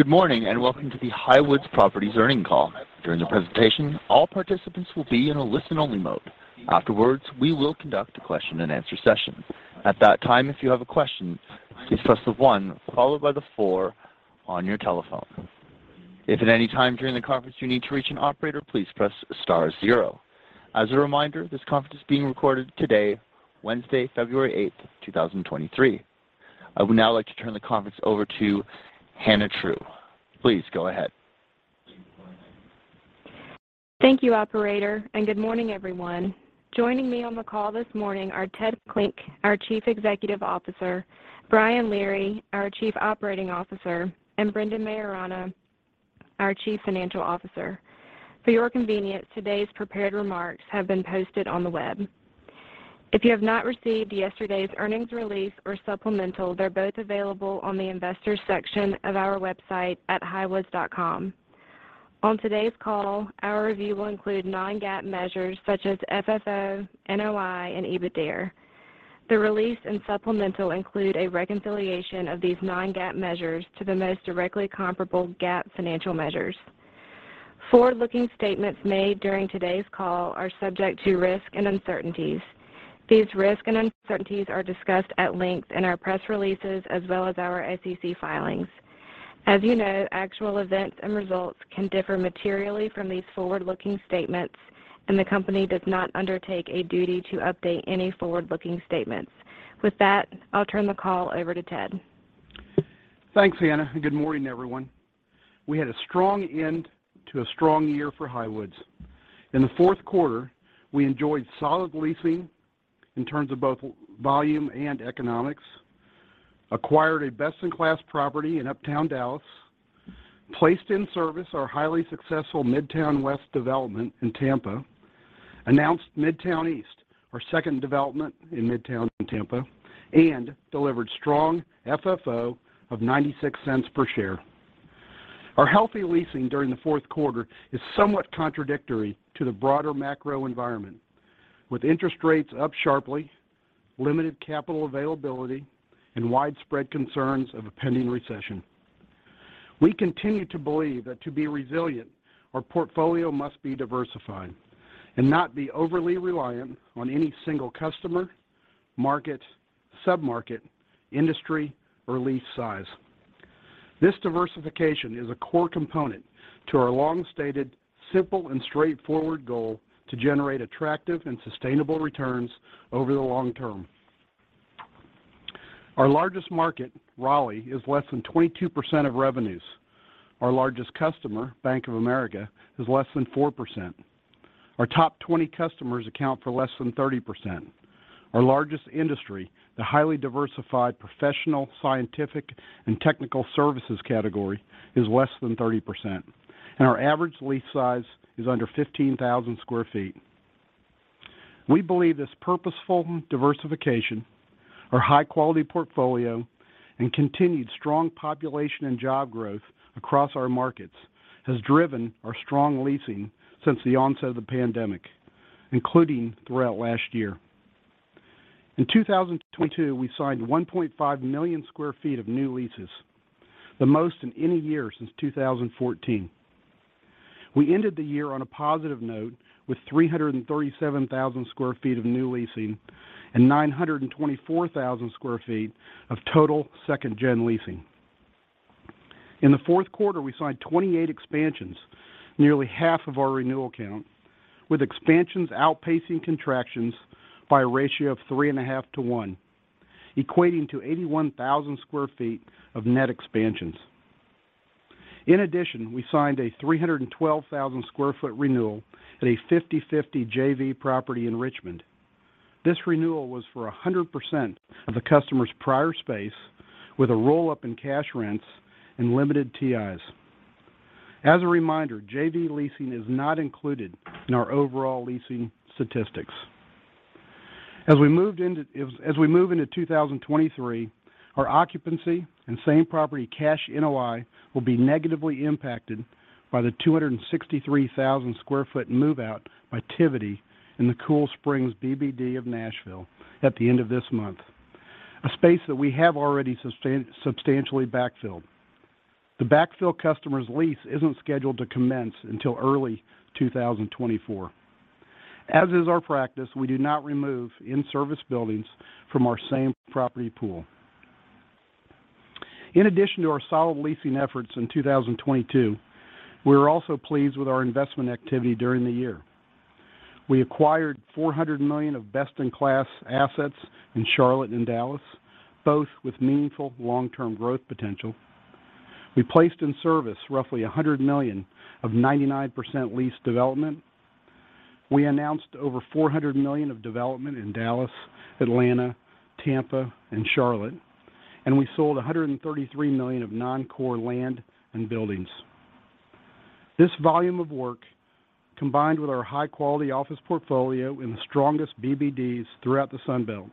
Good morning, and welcome to the Highwoods Properties earnings call. During the presentation, all participants will be in a listen-only mode. Afterwards, we will conduct a question-and-answer session. At that time, if you have a question, please press the one followed by the four on your telephone. If at any time during the conference you need to reach an operator, please press star zero. As a reminder, this conference is being recorded today, Wednesday, February eighth, 2023. I would now like to turn the conference over to Hannah True. Please go ahead. Thank you, operator. Good morning, everyone. Joining me on the call this morning are Ted Klinck, our Chief Executive Officer, Brian Leary, our Chief Operating Officer, and Brendan Maiorana, our Chief Financial Officer. For your convenience, today's prepared remarks have been posted on the web. If you have not received yesterday's earnings release or supplemental, they're both available on the Investors section of our website at highwoods.com. On today's call, our review will include non-GAAP measures such as FFO, NOI, and EBITDAre. The release and supplemental include a reconciliation of these non-GAAP measures to the most directly comparable GAAP financial measures. Forward-looking statements made during today's call are subject to risk and uncertainties. These risks and uncertainties are discussed at length in our press releases as well as our SEC filings. As you know, actual events and results can differ materially from these forward-looking statements. The company does not undertake a duty to update any forward-looking statements. With that, I'll turn the call over to Ted. Thanks, Hannah. Good morning, everyone. We had a strong end to a strong year for Highwoods. In the fourth quarter, we enjoyed solid leasing in terms of both volume and economics, acquired a best-in-class property in uptown Dallas, placed in service our highly successful Midtown West development in Tampa, announced Midtown East, our second development in Midtown in Tampa, and delivered strong FFO of $0.96 per share. Our healthy leasing during the fourth quarter is somewhat contradictory to the broader macro environment, with interest rates up sharply, limited capital availability, and widespread concerns of a pending recession. We continue to believe that to be resilient, our portfolio must be diversified and not be overly reliant on any single customer, market, sub-market, industry, or lease size. This diversification is a core component to our long-stated, simple, and straightforward goal to generate attractive and sustainable returns over the long term. Our largest market, Raleigh, is less than 22% of revenues. Our largest customer, Bank of America, is less than 4%. Our top 20 customers account for less than 30%. Our largest industry, the highly diversified professional, scientific, and technical services category, is less than 30%. Our average lease size is under 15,000 sq ft. We believe this purposeful diversification, our high-quality portfolio, and continued strong population and job growth across our markets has driven our strong leasing since the onset of the pandemic, including throughout last year. In 2022, we signed 1.5 million sq ft of new leases, the most in any year since 2014. We ended the year on a positive note with 337,000 sq ft of new leasing and 924,000 sq ft of total second-gen leasing. In the fourth quarter, we signed 28 expansions, nearly half of our renewal count, with expansions outpacing contractions by a ratio of 3.5 to 1, equating to 81,000 sq ft of net expansions. In addition, we signed a 312,000 sq ft renewal at a 50/50 JV property in Richmond. This renewal was for 100% of the customer's prior space with a roll-up in cash rents and limited TIs. As a reminder, JV leasing is not included in our overall leasing statistics. As we move into 2023, our occupancy and same property cash NOI will be negatively impacted by the 263,000 sq ft move-out by Tivity in the Cool Springs BBD of Nashville at the end of this month, a space that we have already substantially backfilled. The backfill customer's lease isn't scheduled to commence until early 2024. As is our practice, we do not remove in-service buildings from our same property pool. In addition to our solid leasing efforts in 2022, we were also pleased with our investment activity during the year. We acquired $400 million of best-in-class assets in Charlotte and Dallas, both with meaningful long-term growth potential. We placed in service roughly $100 million of 99% leased development. We announced over $400 million of development in Dallas, Atlanta, Tampa, and Charlotte, and we sold $133 million of non-core land and buildings. This volume of work, combined with our high-quality office portfolio in the strongest BBDs throughout the Sun Belt,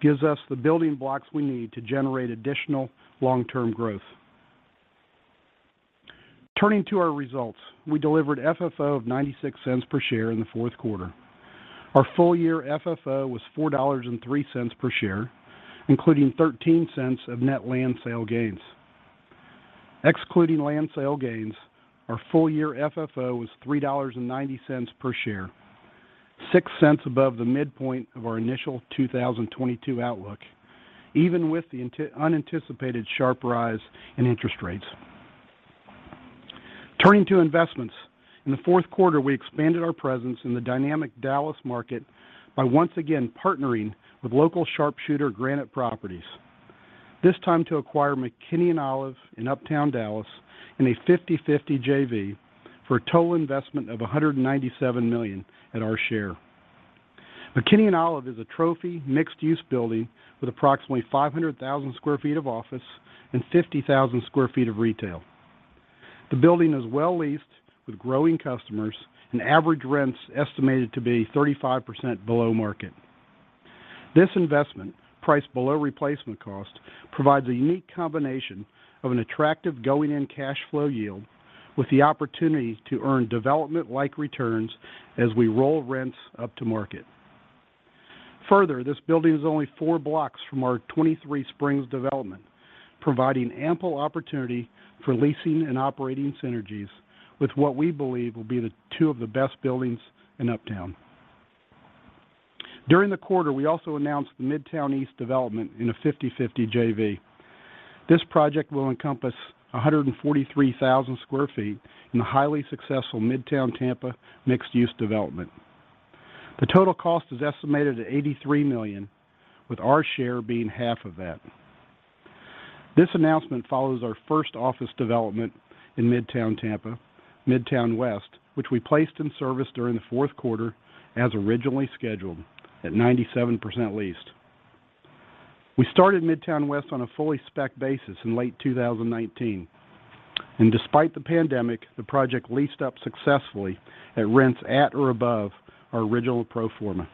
gives us the building blocks we need to generate additional long-term growth. Turning to our results, we delivered FFO of $0.96 per share in the fourth quarter. Our full-year FFO was $4.03 per share, including $0.13 of net land sale gains. Excluding land sale gains, our full-year FFO was $3.90 per share, $0.06 above the midpoint of our initial 2022 outlook, even with the unanticipated sharp rise in interest rates. Turning to investments. In the fourth quarter, we expanded our presence in the dynamic Dallas market by once again partnering with local sharpshooter Granite Properties. This time to acquire McKinney & Olive in Uptown Dallas in a 50/50 JV for a total investment of $197 million at our share. McKinney & Olive is a trophy mixed-use building with approximately 500,000 sq ft of office and 50,000 sq ft of retail. The building is well leased with growing customers and average rents estimated to be 35% below market. This investment, priced below replacement cost, provides a unique combination of an attractive going in cash flow yield with the opportunity to earn development-like returns as we roll rents up to market. This building is only four blocks from our Twenty-Three Springs development, providing ample opportunity for leasing and operating synergies with what we believe will be the two of the best buildings in Uptown. During the quarter, we also announced the Midtown East development in a 50/50 JV. This project will encompass 143,000 sq ft in the highly successful Midtown Tampa mixed-use development. The total cost is estimated at $83 million, with our share being half of that. This announcement follows our first office development in Midtown Tampa, Midtown West, which we placed in service during the fourth quarter as originally scheduled at 97% leased. We started Midtown West on a fully spec basis in late 2019. Despite the pandemic, the project leased up successfully at rents at or above our original pro forma.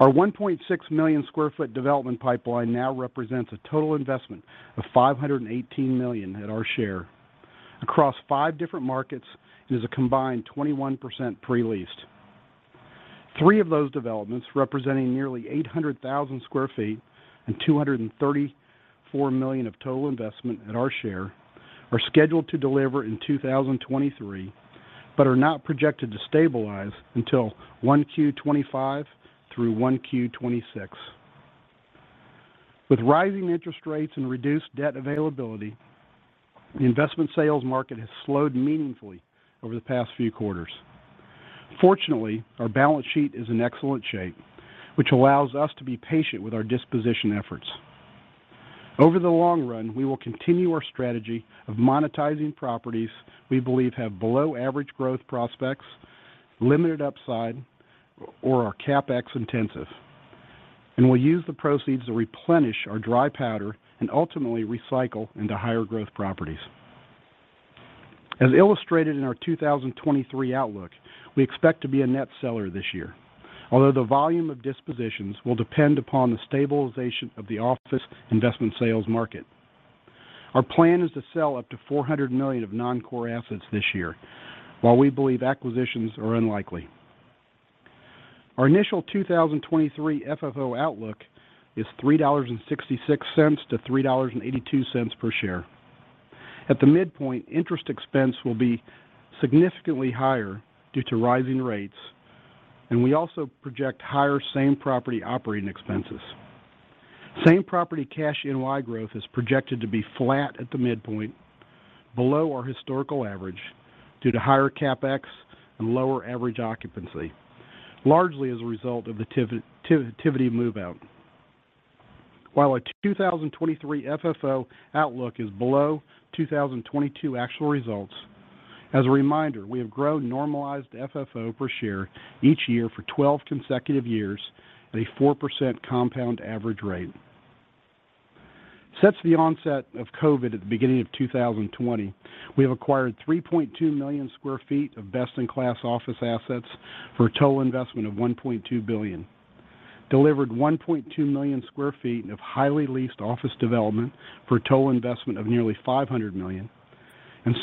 Our 1.6 million sq ft development pipeline now represents a total investment of $518 million at our share. Across five different markets, it is a combined 21% pre-leased. Three of those developments, representing nearly 800,000 sq ft and $234 million of total investment at our share, are scheduled to deliver in 2023, but are not projected to stabilize until 1Q25-1Q26. With rising interest rates and reduced debt availability, the investment sales market has slowed meaningfully over the past few quarters. Fortunately, our balance sheet is in excellent shape, which allows us to be patient with our disposition efforts. Over the long run, we will continue our strategy of monetizing properties we believe have below average growth prospects, limited upside, or are CapEx-intensive. We'll use the proceeds to replenish our dry powder and ultimately recycle into higher growth properties. As illustrated in our 2023 outlook, we expect to be a net seller this year. Although the volume of dispositions will depend upon the stabilization of the office investment sales market. Our plan is to sell up to $400 million of non-core assets this year, while we believe acquisitions are unlikely. Our initial 2023 FFO outlook is $3.66-$3.82 per share. At the midpoint, interest expense will be significantly higher due to rising rates, and we also project higher same-property operating expenses. Same property cash NOI growth is projected to be flat at the midpoint, below our historical average due to higher CapEx and lower average occupancy, largely as a result of the Tivity move out. While our 2023 FFO outlook is below 2022 actual results, as a reminder, we have grown normalized FFO per share each year for 12 consecutive years at a 4% compound average rate. Since the onset of COVID at the beginning of 2020, we have acquired $3.2 million sq ft of best-in-class office assets for a total investment of $1.2 billion, delivered $1.2 million sq ft of highly leased office development for a total investment of nearly $500 million.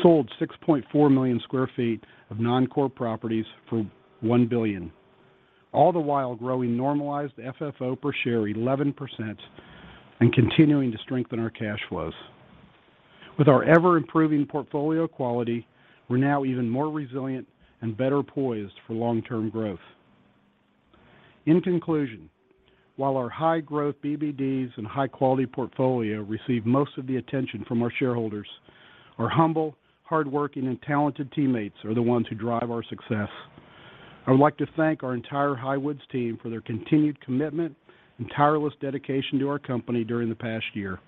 Sold $6.4 million sq ft of non-core properties for $1 billion, all the while growing normalized FFO per share 11% and continuing to strengthen our cash flows. With our ever-improving portfolio quality, we're now even more resilient and better poised for long-term growth. In conclusion, while our high growth BBDs and high quality portfolio receive most of the attention from our shareholders, our humble, hardworking, and talented teammates are the ones who drive our success. I would like to thank our entire Highwoods team for their continued commitment and tireless dedication to our company during the past year.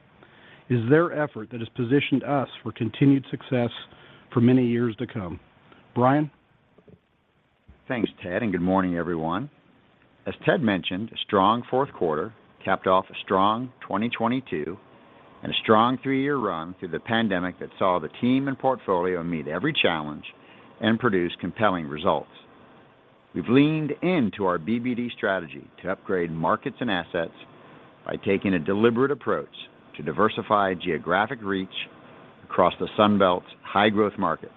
It is their effort that has positioned us for continued success for many years to come. Brian. Thanks, Ted. Good morning, everyone. As Ted mentioned, a strong fourth quarter capped off a strong 2022 and a strong 3-year run through the pandemic that saw the team and portfolio meet every challenge and produce compelling results. We've leaned into our BBD strategy to upgrade markets and assets by taking a deliberate approach to diversify geographic reach across the Sun Belt's high-growth markets,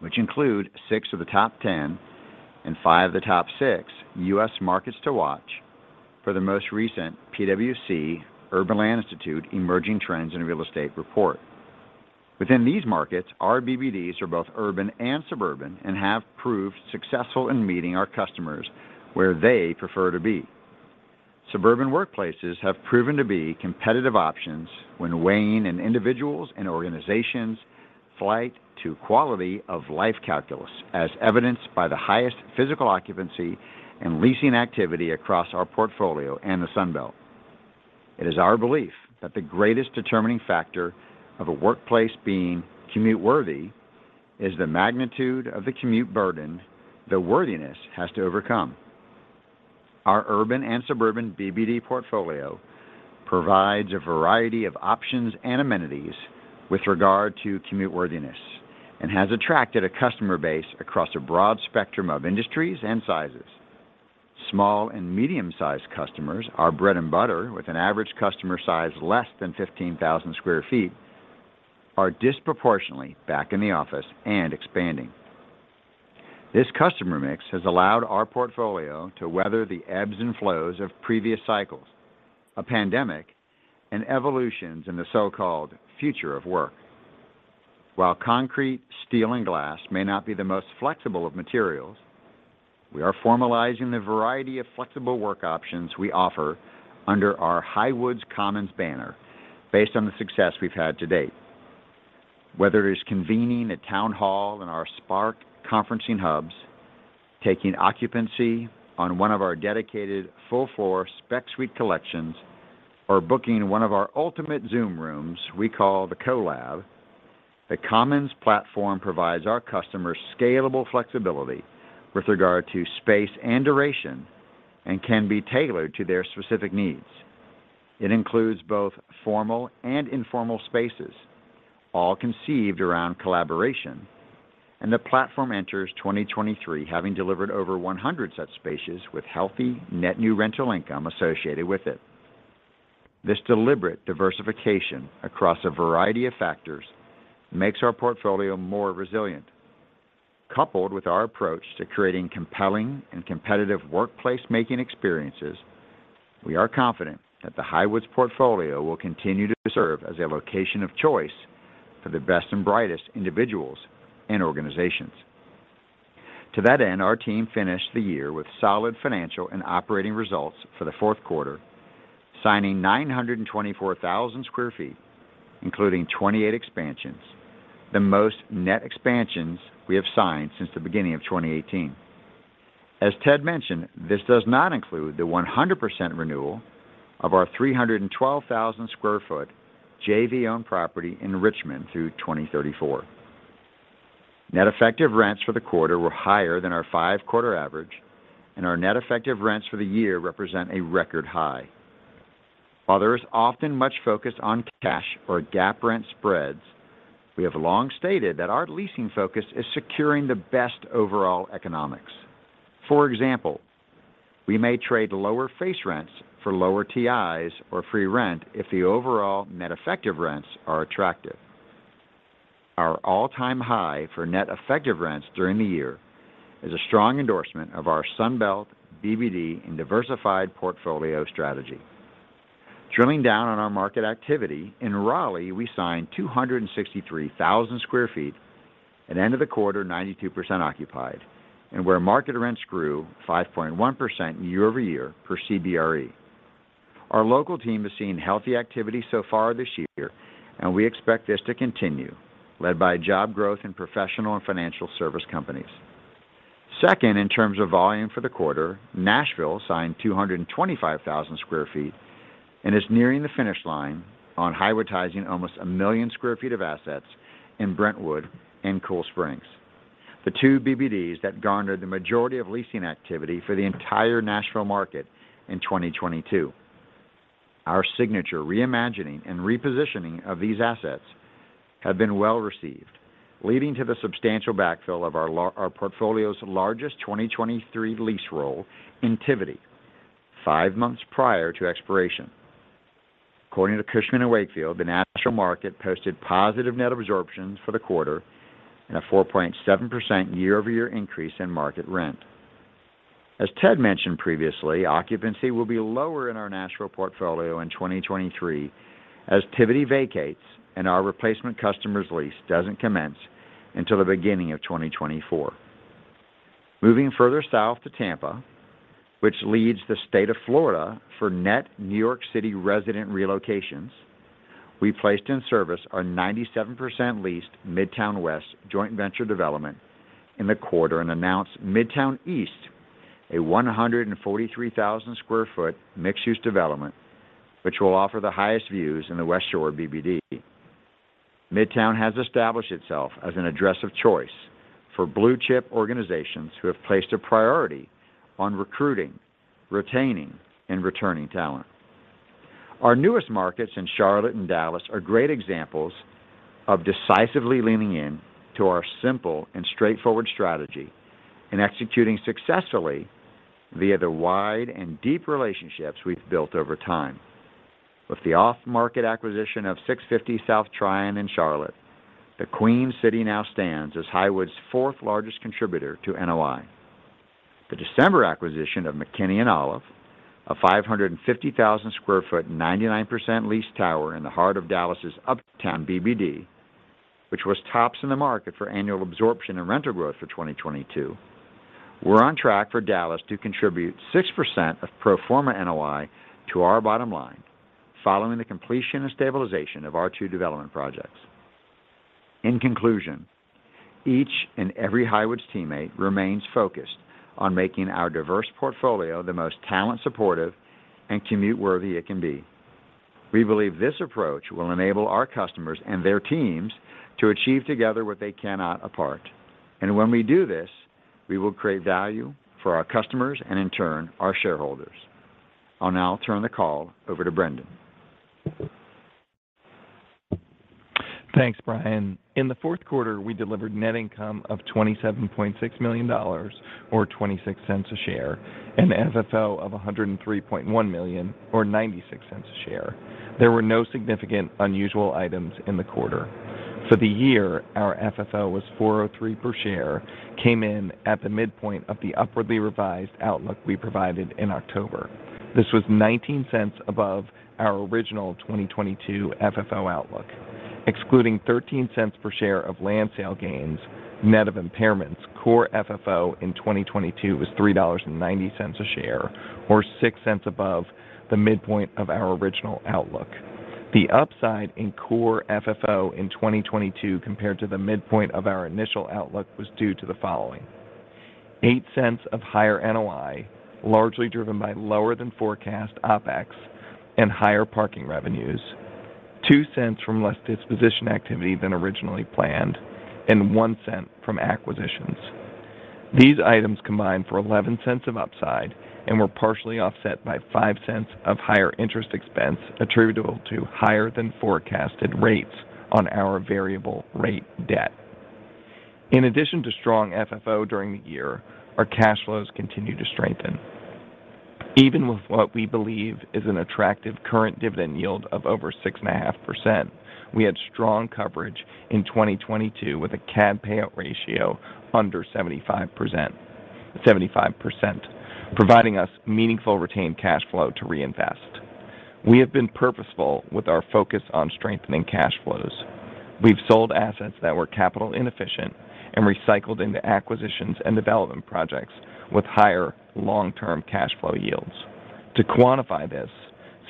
which include six of the top 10 and five of the top six U.S. markets to watch for the most recent PwC Urban Land Institute Emerging Trends in Real Estate report. Within these markets, our BBDs are both urban and suburban and have proved successful in meeting our customers where they prefer to be. Suburban workplaces have proven to be competitive options when weighing an individual's and organization's flight to quality of life calculus, as evidenced by the highest physical occupancy and leasing activity across our portfolio and the Sun Belt. It is our belief that the greatest determining factor of a workplace being commute-worthy is the magnitude of the commute burden the worthiness has to overcome. Our urban and suburban BBD portfolio provides a variety of options and amenities with regard to commute worthiness and has attracted a customer base across a broad spectrum of industries and sizes. Small and medium-sized customers, our bread and butter, with an average customer size less than 15,000 sq ft, are disproportionately back in the office and expanding. This customer mix has allowed our portfolio to weather the ebbs and flows of previous cycles, a pandemic, and evolutions in the so-called future of work. While concrete, steel, and glass may not be the most flexible of materials, we are formalizing the variety of flexible work options we offer under our Highwoods Commons banner based on the success we've had to date. Whether it is convening a town hall in our Spark conferencing hubs, taking occupancy on one of our dedicated full-floor spec suite collections, or booking one of our ultimate Zoom rooms, We call the CoLab, the Commons platform provides our customers scalable flexibility with regard to space and duration and can be tailored to their specific needs. It includes both formal and informal spaces, all conceived around collaboration, and the platform enters 2023 having delivered over 100 such spaces with healthy net new rental income associated with it. This deliberate diversification across a variety of factors makes our portfolio more resilient. Coupled with our approach to creating compelling and competitive workplace making experiences, we are confident that the Highwoods portfolio will continue to serve as a location of choice for the best and brightest individuals and organizations. To that end, our team finished the year with solid financial and operating results for the fourth quarter, signing 924,000 sq ft, including 28 expansions, the most net expansions we have signed since the beginning of 2018. As Ted mentioned, this does not include the 100% renewal of our 312,000 sq ft JV owned property in Richmond through 2034. Net effective rents for the quarter were higher than our five quarter average, and our net effective rents for the year represent a record high. While there is often much focus on cash or GAAP rent spreads, we have long stated that our leasing focus is securing the best overall economics. For example, we may trade lower face rents for lower TIs or free rent if the overall net effective rents are attractive. Our all-time high for net effective rents during the year is a strong endorsement of our Sun Belt BBD and diversified portfolio strategy. Drilling down on our market activity, in Raleigh we signed 263,000 sq ft at end of the quarter 92% occupied and where market rents grew 5.1% year-over-year per CBRE. Our local team is seeing healthy activity so far this year and we expect this to continue led by job growth in professional and financial service companies. In terms of volume for the quarter, Nashville signed 225,000 sq ft and is nearing the finish line on Highwoodtizing almost 1 million sq ft of assets in Brentwood and Cool Springs, the two BBDs that garnered the majority of leasing activity for the entire Nashville market in 2022. Our signature reimagining and repositioning of these assets have been well received leading to the substantial backfill of our portfolio's largest 2023 lease roll in Tivity five months prior to expiration. According to Cushman & Wakefield, the Nashville market posted positive net absorption for the quarter and a 4.7% year-over-year increase in market rent. As Ted mentioned previously, occupancy will be lower in our Nashville portfolio in 2023 as Tivity vacates and our replacement customer's lease doesn't commence until the beginning of 2024. Moving further south to Tampa, which leads the state of Florida for net New York City resident relocations, we placed in service our 97% leased Midtown West joint venture development in the quarter and announced Midtown East, a 143,000 sq ft mixed-use development which will offer the highest views in the West Shore BBD. Midtown has established itself as an address of choice for blue-chip organizations who have placed a priority on recruiting, retaining, and returning talent. Via the wide and deep relationships we've built over time. With the off-market acquisition of 650 South Tryon in Charlotte, the Queen City now stands as Highwoods 4th largest contributor to NOI. The December acquisition of McKinney & Olive, a 550,000 sq ft, 99% leased tower in the heart of Dallas's Uptown CBD, which was tops in the market for annual absorption and rental growth for 2022. We're on track for Dallas to contribute 6% of pro forma NOI to our bottom line following the completion and stabilization of our two development projects. In conclusion, each and every Highwoods teammate remains focused on making our diverse portfolio the most talent supportive and commute worthy it can be. We believe this approach will enable our customers and their teams to achieve together what they cannot apart. When we do this, we will create value for our customers and in turn, our shareholders. I'll now turn the call over to Brendan. Thanks, Brian. In the fourth quarter, we delivered net income of $27.6 million or $0.26 a share, and FFO of $103.1 million or $0.96 a share. There were no significant unusual items in the quarter. For the year, our FFO was four or three per share, came in at the midpoint of the upwardly revised outlook we provided in October. This was $0.19 above our original 2022 FFO outlook. Excluding $0.13 per share of land sale gains, net of impairments, core FFO in 2022 was $3.90 a share, or $0.06 above the midpoint of our original outlook. The upside in core FFO in 2022 compared to the midpoint of our initial outlook was due to the following. $0.08 of higher NOI, largely driven by lower than forecast OpEx and higher parking revenues, $0.02 from less disposition activity than originally planned, and $0.01 from acquisitions. These items combined for $0.11 of upside and were partially offset by $0.05 of higher interest expense attributable to higher than forecasted rates on our variable rate debt. In addition to strong FFO during the year, our cash flows continue to strengthen. Even with what we believe is an attractive current dividend yield of over 6.5%, we had strong coverage in 2022 with a CAD payout ratio under 75%, providing us meaningful retained cash flow to reinvest. We have been purposeful with our focus on strengthening cash flows. We've sold assets that were capital inefficient and recycled into acquisitions and development projects with higher long term cash flow yields. To quantify this,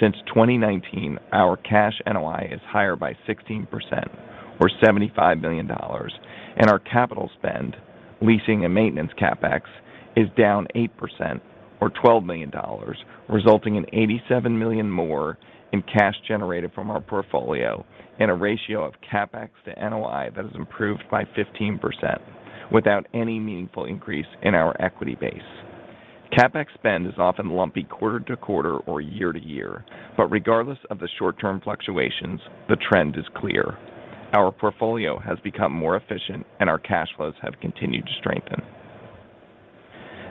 since 2019, our cash NOI is higher by 16% or $75 million, and our capital spend, leasing and maintenance CapEx, is down 8% or $12 million, resulting in $87 million more in cash generated from our portfolio and a ratio of CapEx to NOI that has improved by 15% without any meaningful increase in our equity base. CapEx spend is often lumpy quarter to quarter or year to year. Regardless of the short term fluctuations, the trend is clear. Our portfolio has become more efficient, and our cash flows have continued to strengthen.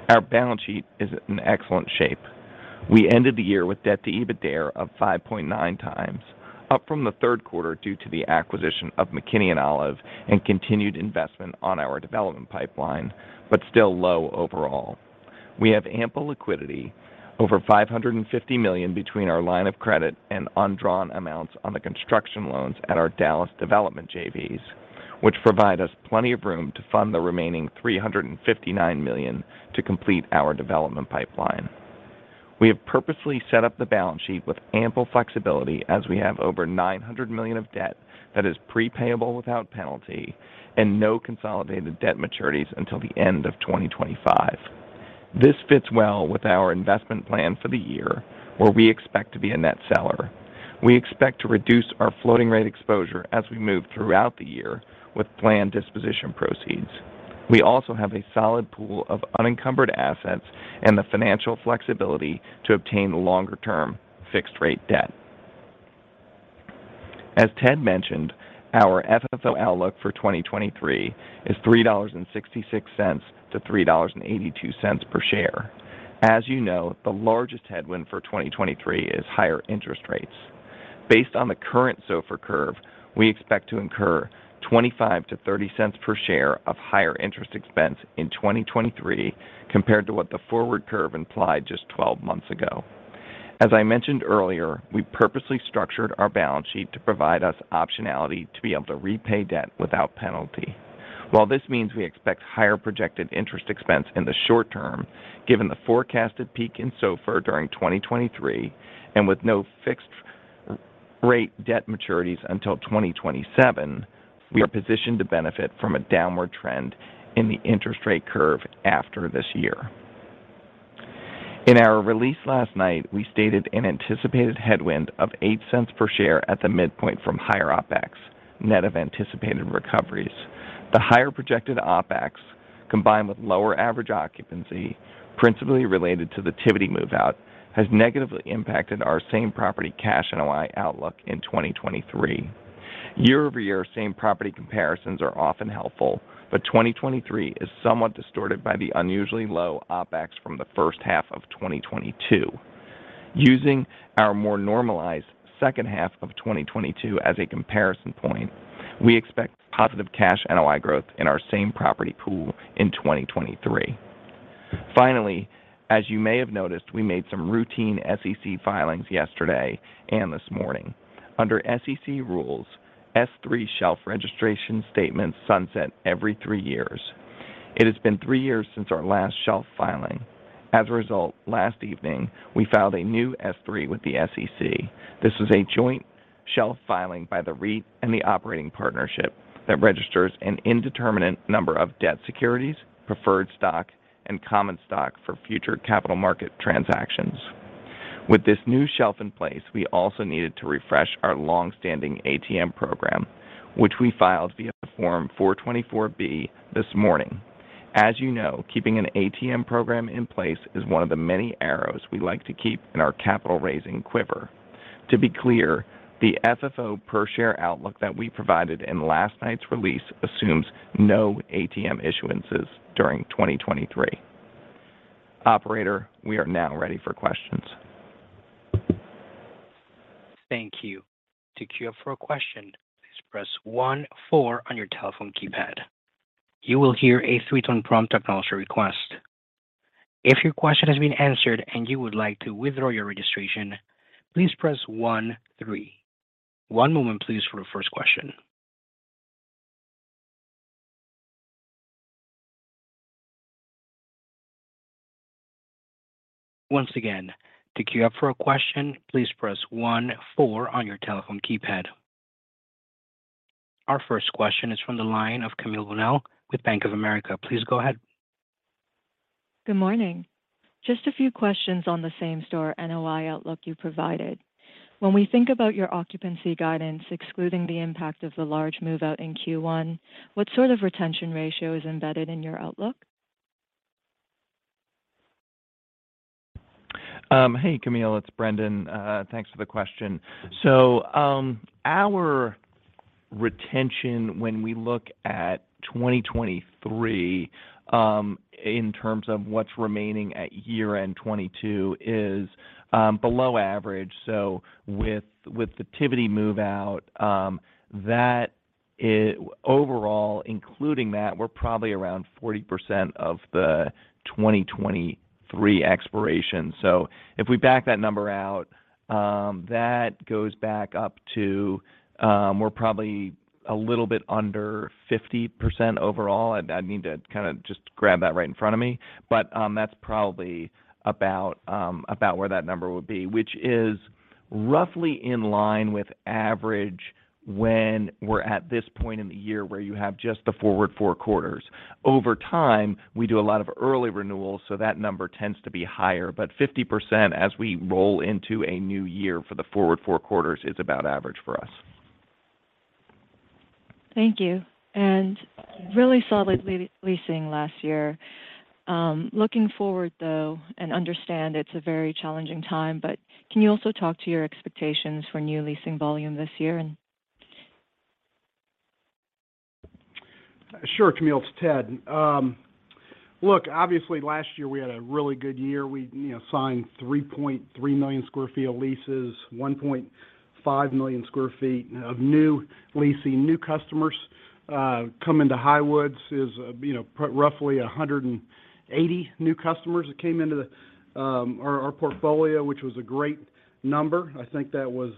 Our balance sheet is in excellent shape. We ended the year with debt to EBITDA of 5.9x, up from the third quarter due to the acquisition of McKinney & Olive, and continued investment on our development pipeline, but still low overall. We have ample liquidity, over $550 million between our line of credit and undrawn amounts on the construction loans at our Dallas development JVs, which provide us plenty of room to fund the remaining $359 million to complete our development pipeline. We have purposely set up the balance sheet with ample flexibility as we have over $900 million of debt that is prepayable without penalty and no consolidated debt maturities until the end of 2025. This fits well with our investment plan for the year, where we expect to be a net seller. We expect to reduce our floating rate exposure as we move throughout the year with planned disposition proceeds. We also have a solid pool of unencumbered assets and the financial flexibility to obtain longer term fixed rate debt. As Ted mentioned, our FFO outlook for 2023 is $3.66 to $3.82 per share. As you know, the largest headwind for 2023 is higher interest rates. Based on the current SOFR curve, we expect to incur $0.25-$0.30 per share of higher interest expense in 2023 compared to what the forward curve implied just 12 months ago. As I mentioned earlier, we purposely structured our balance sheet to provide us optionality to be able to repay debt without penalty. While this means we expect higher projected interest expense in the short term, given the forecasted peak in SOFR during 2023 and with no fixed rate debt maturities until 2027, we are positioned to benefit from a downward trend in the interest rate curve after this year. In our release last night, we stated an anticipated headwind of $0.08 per share at the midpoint from higher OpEx, net of anticipated recoveries. The higher projected OpEx, combined with lower average occupancy, principally related to the Tivity move out, has negatively impacted our same property cash NOI outlook in 2023. Year-over-year same-property comparisons are often helpful, but 2023 is somewhat distorted by the unusually low OpEx from the first half of 2022. Using our more normalized second half of 2022 as a comparison point, we expect positive cash NOI growth in our same-property pool in 2023. Finally, as you may have noticed, we made some routine SEC filings yesterday and this morning. Under SEC rules, S-3 shelf registration statements sunset every three years. It has been three years since our last shelf filing. As a result, last evening, we filed a new S-3 with the SEC. This is a joint shelf filing by the REIT and the operating partnership that registers an indeterminate number of debt securities, preferred stock, and common stock for future capital market transactions. With this new shelf in place, we also needed to refresh our long-standing ATM program, which we filed via Form 424B this morning. As you know, keeping an ATM program in place is one of the many arrows we like to keep in our capital raising quiver. To be clear, the FFO per share outlook that we provided in last night's release assumes no ATM issuances during 2023. Operator, we are now ready for questions. Thank you. To queue up for a question, please press one four on your telephone keypad. You will hear a pre-tone prompt acknowledging your request. If your question has been answered and you would like to withdraw your registration, please press one three. One moment, please for the first question. Once again, to queue up for a question, please press one four on your telephone keypad. Our first question is from the line of Camille Bonnel with Bank of America. Please go ahead. Good morning. Just a few questions on the same-store NOI outlook you provided. When we think about your occupancy guidance, excluding the impact of the large move-out in Q1, what sort of retention ratio is embedded in your outlook? Hey, Camille. It's Brendan. Thanks for the question. Our retention when we look at 2023 in terms of what's remaining at year-end 2022 is below average. With the Tivity move out, overall, including that, we're probably around 40% of the 2023 expiration. If we back that number out, that goes back up to, we're probably a little bit under 50% overall. I'd need to kind of just grab that right in front of me. That's probably about about where that number would be, which is roughly in line with average when we're at this point in the year where you have just the forward four quarters. Over time, we do a lot of early renewals, so that number tends to be higher. 50% as we roll into a new year for the forward 4 quarters is about average for us. Thank you. Really solid leasing last year. Looking forward, though, and understand it's a very challenging time, but can you also talk to your expectations for new leasing volume this year? Sure, Camille. It's Ted. Look, obviously, last year we had a really good year. We, you know, signed 3.3 million sq ft of leases, 1.5 million sq ft of new leasing. New customers coming to Highwoods is, you know, roughly 180 new customers that came into our portfolio, which was a great number. I think that was,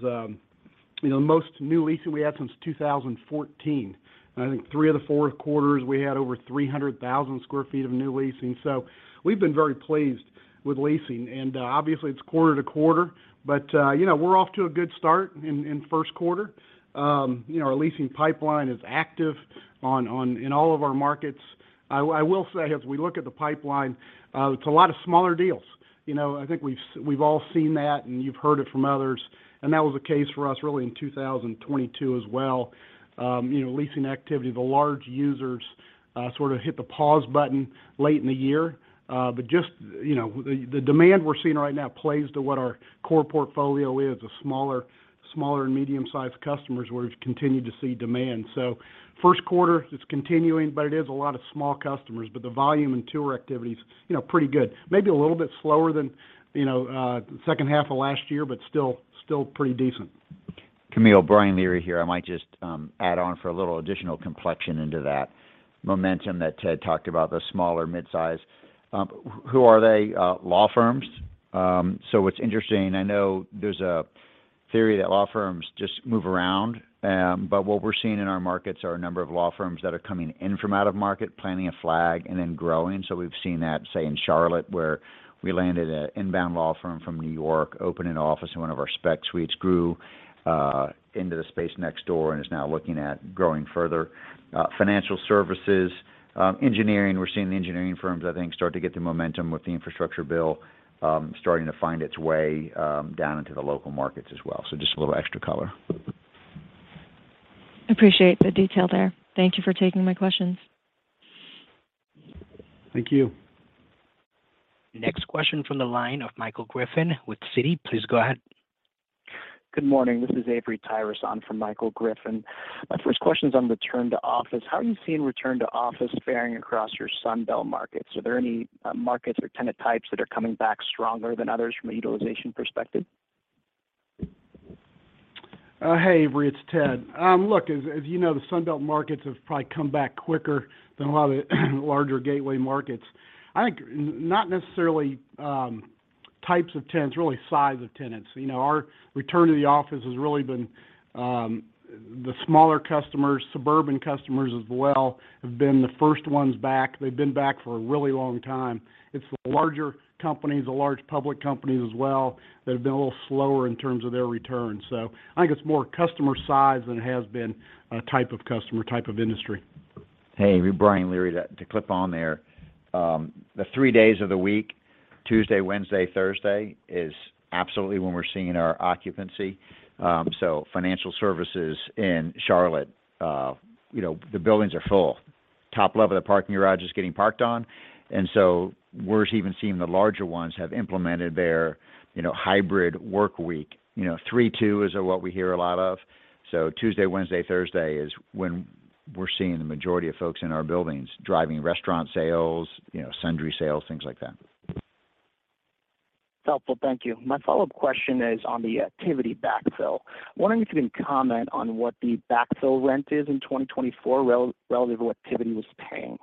you know, the most new leasing we had since 2014. I think 3 of the 4 quarters, we had over 300,000 sq ft of new leasing. We've been very pleased with leasing, and obviously it's quarter to quarter. You know, we're off to a good start in first quarter. You know, our leasing pipeline is active in all of our markets. I will say as we look at the pipeline, it's a lot of smaller deals. You know, I think we've all seen that, and you've heard it from others, and that was the case for us really in 2022 as well. You know, leasing activity, the large users, sort of hit the pause button late in the year. Just, you know, the demand we're seeing right now plays to what our core portfolio is, the smaller and medium-sized customers where we've continued to see demand. First quarter, it's continuing, but it is a lot of small customers. The volume and tour activity is, you know, pretty good. Maybe a little bit slower than, you know, the second half of last year, but still pretty decent. Camille, Brian Leary here. I might just add on for a little additional complexion into that momentum that Ted talked about, the smaller mid-size. Who are they? Law firms. What's interesting, I know there's a theory that law firms just move around. What we're seeing in our markets are a number of law firms that are coming in from out of market, planting a flag, and then growing. We've seen that, say, in Charlotte, where we landed an inbound law firm from New York, opened an office in one of our spec suites, grew into the space next door and is now looking at growing further. Financial services, engineering, we're seeing the engineering firms, I think, start to get the momentum with the infrastructure bill, starting to find its way down into the local markets as well.just a little extra color. Appreciate the detail there. Thank you for taking my questions. Thank you. Next question from the line of Michael Griffin with Citi. Please go ahead. Good morning. This is Avery Tiras. I'm from Michael Griffin. My first question is on return to office. How are you seeing return to office faring across your Sun Belt markets? Are there any markets or tenant types that are coming back stronger than others from a utilization perspective? Hey, Avery, it's Ted. Look, as you know, the Sun Belt markets have probably come back quicker than a lot of the larger gateway markets. I think not necessarily, types of tenants, really size of tenants. You know, our return to the office has really been, the smaller customers, suburban customers as well, have been the first ones back. They've been back for a really long time. It's the larger companies, the large public companies as well, that have been a little slower in terms of their return. I think it's more customer size than it has been, type of customer, type of industry. Hey, Brian Leary. To clip on there, the three days of the week, Tuesday, Wednesday, Thursday, is absolutely when we're seeing our occupancy. Financial services in Charlotte, you know, the buildings are full. Top level of the parking garage is getting parked on. We're even seeing the larger ones have implemented their, you know, hybrid work week. You know, 3-2 is what we hear a lot of. Tuesday, Wednesday, Thursday is when we're seeing the majority of folks in our buildings driving restaurant sales, you know, sundry sales, things like that. Helpful. Thank you. My follow-up question is on the activity backfill. Wondering if you can comment on what the backfill rent is in 2024 relative to what Tivity was paying?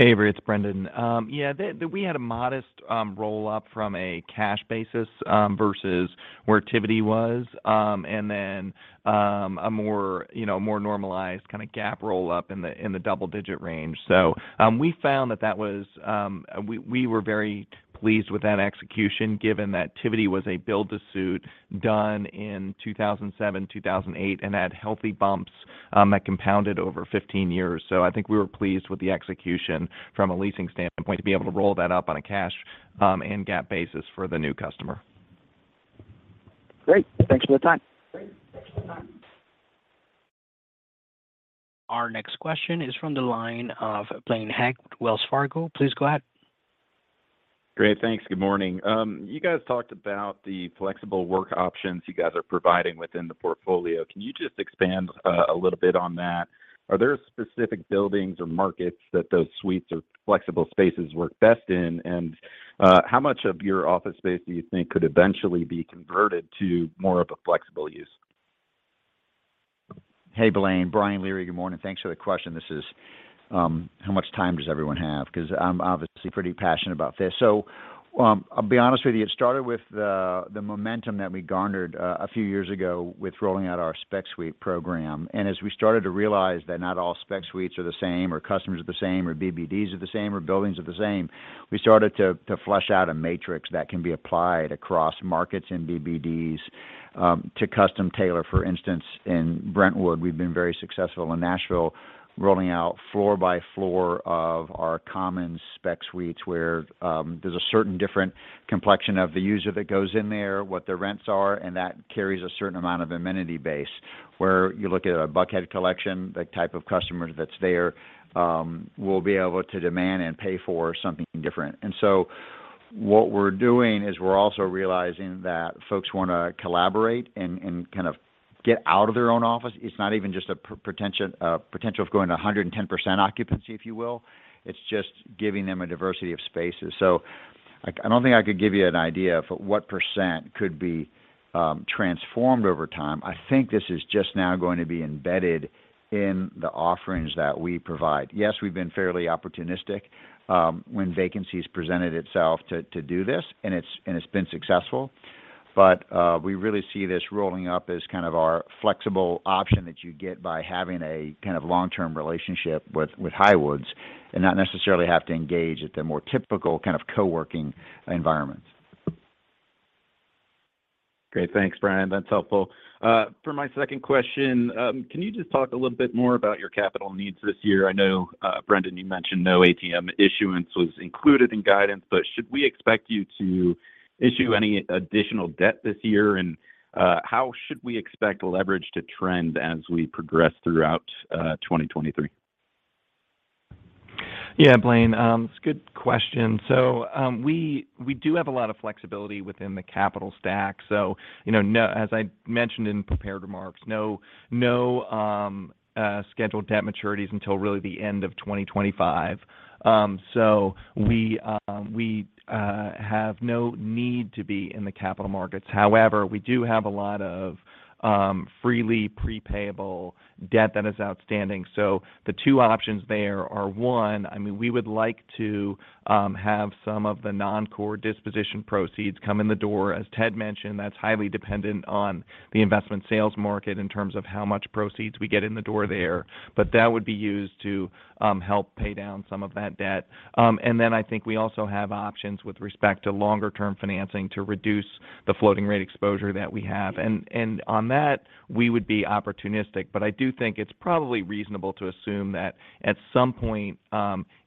Avery, it's Brendan. We had a modest roll-up from a cash basis versus where Tivity was. A more, you know, more normalized kinda GAAP roll-up in the double-digit range. We found that that was. We were very pleased with that execution given that Tivity was a build to suit done in 2007, 2008 and had healthy bumps that compounded over 15 years. I think we were pleased with the execution from a leasing standpoint to be able to roll that up on a cash and GAAP basis for the new customer. Great. Thanks for the time. Our next question is from the line of Blaine Heck with Wells Fargo. Please go ahead. Great. Thanks. Good morning. You guys talked about the flexible work options you guys are providing within the portfolio. Can you just expand a little bit on that? Are there specific buildings or markets that those suites or flexible spaces work best in? How much of your office space do you think could eventually be converted to more of a flexible use? Hey, Blaine. Brian Leary. Good morning. Thanks for the question. How much time does everyone have? 'Cause I'm obviously pretty passionate about this. I'll be honest with you, it started with the momentum that we garnered a few years ago with rolling out our spec suite program. We started to realize that not all spec suites are the same, or customers are the same, or BBDs are the same, or buildings are the same, we started to flesh out a matrix that can be applied across markets and BBDs to custom tailor. For instance, in Brentwood, we've been very successful in Nashville rolling out floor by floor of our common spec suites where there's a certain different complexion of the user that goes in there, what the rents are, and that carries a certain amount of amenity base, where you look at a Buckhead collection, the type of customer that's there will be able to demand and pay for something different. What we're doing is we're also realizing that folks wanna collaborate and kind of get out of their own office. It's not even just a potential of going to 110% occupancy, if you will. It's just giving them a diversity of spaces. I don't think I could give you an idea of what % could be transformed over time. I think this is just now going to be embedded in the offerings that we provide. Yes, we've been fairly opportunistic, when vacancy's presented itself to do this, and it's been successful. We really see this rolling up as kind of our flexible option that you get by having a kind of long-term relationship with Highwoods and not necessarily have to engage at the more typical kind of co-working environments. Great. Thanks, Brian. That's helpful. For my second question, can you just talk a little bit more about your capital needs this year? I know, Brendan, you mentioned no ATM issuance was included in guidance, but should we expect you to issue any additional debt this year? How should we expect leverage to trend as we progress throughout 2023? Yeah, Blaine. It's a good question. We do have a lot of flexibility within the capital stack. You know, as I mentioned in prepared remarks, no scheduled debt maturities until really the end of 2025. We have no need to be in the capital markets. However, we do have a lot of freely prepayable debt that is outstanding. The two options there are, one, I mean, we would like to have some of the non-core disposition proceeds come in the door. As Ted mentioned, that's highly dependent on the investment sales market in terms of how much proceeds we get in the door there. That would be used to help pay down some of that debt. Then I think we also have options with respect to longer term financing to reduce the floating rate exposure that we have. On that, we would be opportunistic. I do think it's probably reasonable to assume that at some point,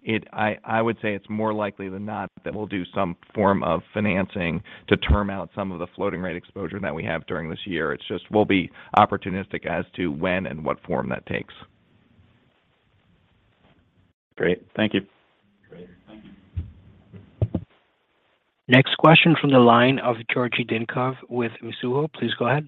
it, I would say it's more likely than not that we'll do some form of financing to term out some of the floating rate exposure that we have during this year. It's just we'll be opportunistic as to when and what form that takes. Great. Thank you. Next question from the line of Georgi Dinkov with Mizuho. Please go ahead.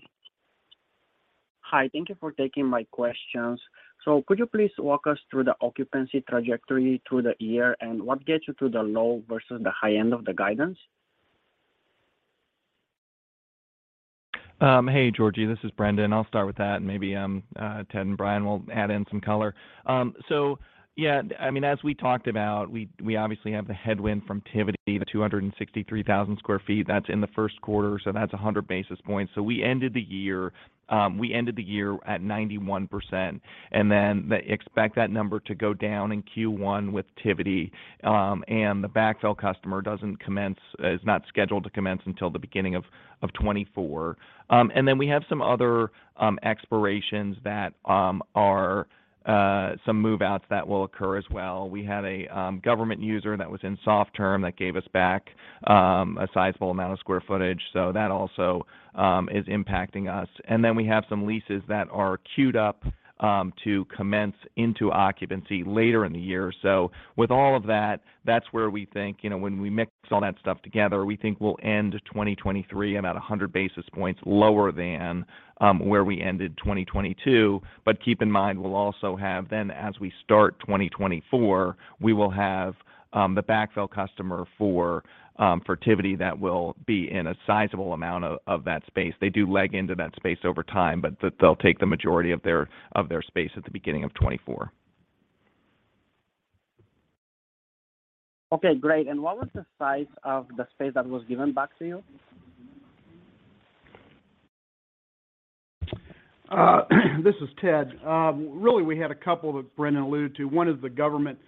Hi. Thank you for taking my questions. Could you please walk us through the occupancy trajectory through the year, and what gets you to the low versus the high end of the guidance? Hey, Georgi, this is Brendan. I'll start with that, maybe Ted and Brian will add in some color. Yeah, I mean, as we talked about, we obviously have the headwind from Tivity, the 263,000 sq ft that's in the first quarter, that's 100 basis points. We ended the year at 91%, they expect that number to go down in Q1 with Tivity. The backfill customer is not scheduled to commence until the beginning of 2024. We have some other expirations that are some move-outs that will occur as well. We had a government user that was in soft term that gave us back a sizable amount of square footage, so that also is impacting us. We have some leases that are queued up to commence into occupancy later in the year. With all of that's where we think, you know, when we mix all that stuff together, we think we'll end 2023 about 100 basis points lower than where we ended 2022. Keep in mind, we'll also have then, as we start 2024, we will have the backfill customer for Tivity that will be in a sizable amount of that space. They do leg into that space over time, but they'll take the majority of their space at the beginning of 2024. Okay, great. What was the size of the space that was given back to you? This is Ted. Really, we had a couple that Brendan alluded to. One is the government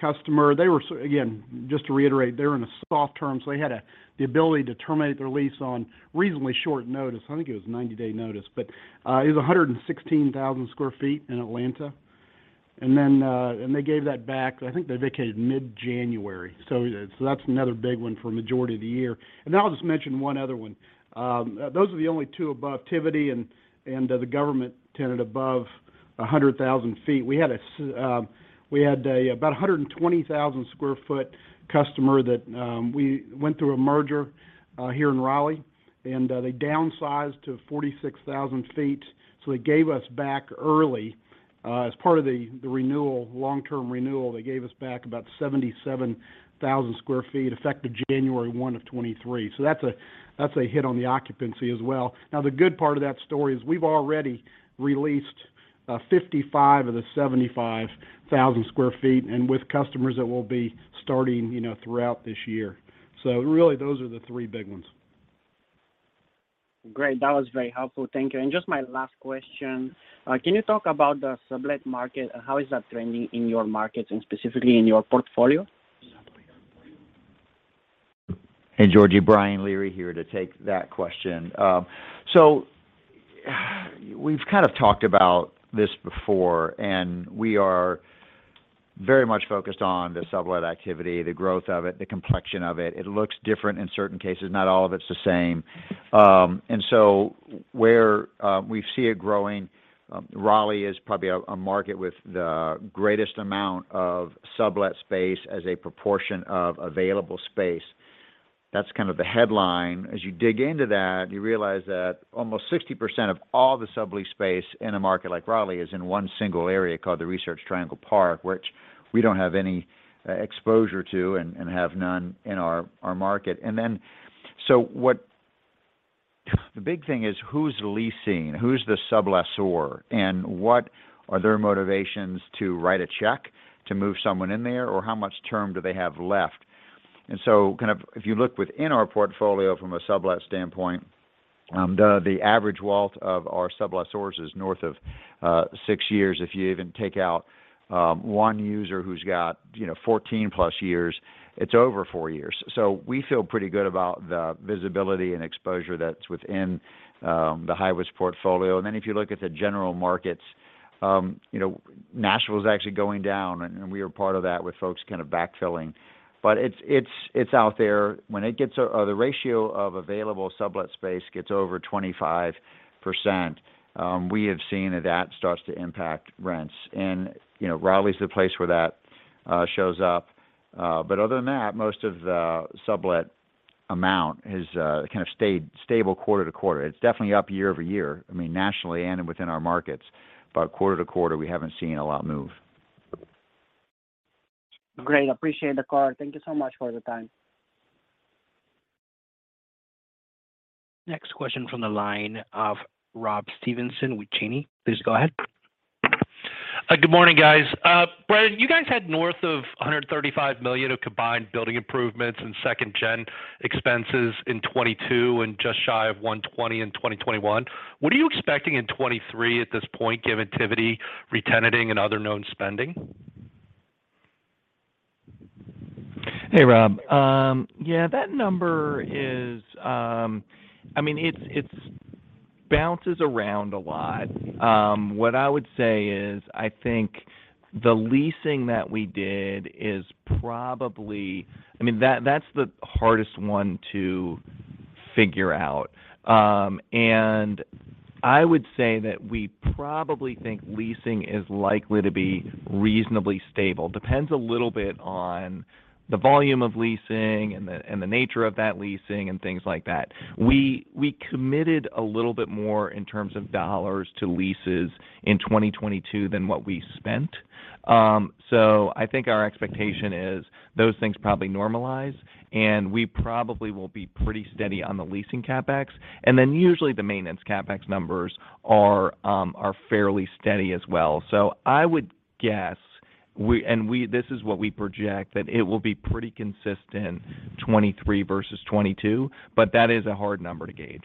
customer. Again, just to reiterate, they're in a soft term, so they had the ability to terminate their lease on reasonably short notice. I think it was a 90-day notice. It was 116,000 sq ft in Atlanta. Then they gave that back. I think they vacated mid-January, so that's another big one for majority of the year. Then I'll just mention one other one. Those are the only two above Tivity and the government tenant above 100,000 feet. We had about 120,000 square foot customer that, we went through a merger here in Raleigh, and they downsized to 46,000 feet. They gave us back early as part of the renewal, long-term renewal, they gave us back about 77,000 sq ft, effective January 1 of 2023. That's a, that's a hit on the occupancy as well. The good part of that story is we've already re-leased 55 of the 75,000 sq ft and with customers that will be starting, you know, throughout this year. Really, those are the three big ones. Great. That was very helpful. Thank you. Just my last question. Can you talk about the sublet market? How is that trending in your markets and specifically in your portfolio? Hey, Georgi. Brian Leary here to take that question. So we've kind of talked about this before, and we are very much focused on the sublet activity, the growth of it, the complexion of it. It looks different in certain cases, not all of it's the same. So where we see it growing, Raleigh is probably a market with the greatest amount of sublet space as a proportion of available space. That's kind of the headline. As you dig into that, you realize that almost 60% of all the sublease space in a market like Raleigh is in one single area called the Research Triangle Park, which we don't have any exposure to and have none in our market. Then, the big thing is who's leasing? Who's the sublessor? What are their motivations to write a check to move someone in there? How much term do they have left? Kind of if you look within our portfolio from a sublet standpoint, the average wealth of our sublessor is north of 6 years. If you even take out one user who's got, you know, 14+ years, it's over 4 years. We feel pretty good about the visibility and exposure that's within the Highwoods portfolio. If you look at the general markets, you know, Nashville is actually going down, and we are part of that with folks kind of backfilling. It's out there. When it gets, the ratio of available sublet space gets over 25%, we have seen that that starts to impact rents. You know, Raleigh's the place where that shows up. Other than that, most of the sublet amount is kind of stable quarter-to-quarter. It's definitely up year-over-year, I mean, nationally and within our markets. Quarter-to-quarter, we haven't seen a lot move. Great. Appreciate the call. Thank you so much for the time. Next question from the line of Rob Stevenson with Janney. Please go ahead. Good morning, guys. Brian, you guys had north of $135 million of combined building improvements and second gen expenses in 2022 and just shy of $120 in 2021. What are you expecting in 2023 at this point, given Tivity retenanting and other known spending? Hey, Rob. Yeah, that number is. I mean, it's bounces around a lot. What I would say is, I think the leasing that we did is probably. I mean, that's the hardest one to figure out. I would say that we probably think leasing is likely to be reasonably stable. Depends a little bit on the volume of leasing and the nature of that leasing and things like that. We committed a little bit more in terms of dollars to leases in 2022 than what we spent. I think our expectation is those things probably normalize, and we probably will be pretty steady on the leasing CapEx. Then usually the maintenance CapEx numbers are fairly steady as well. I would guess this is what we project, that it will be pretty consistent, 2023 versus 2022, but that is a hard number to gauge.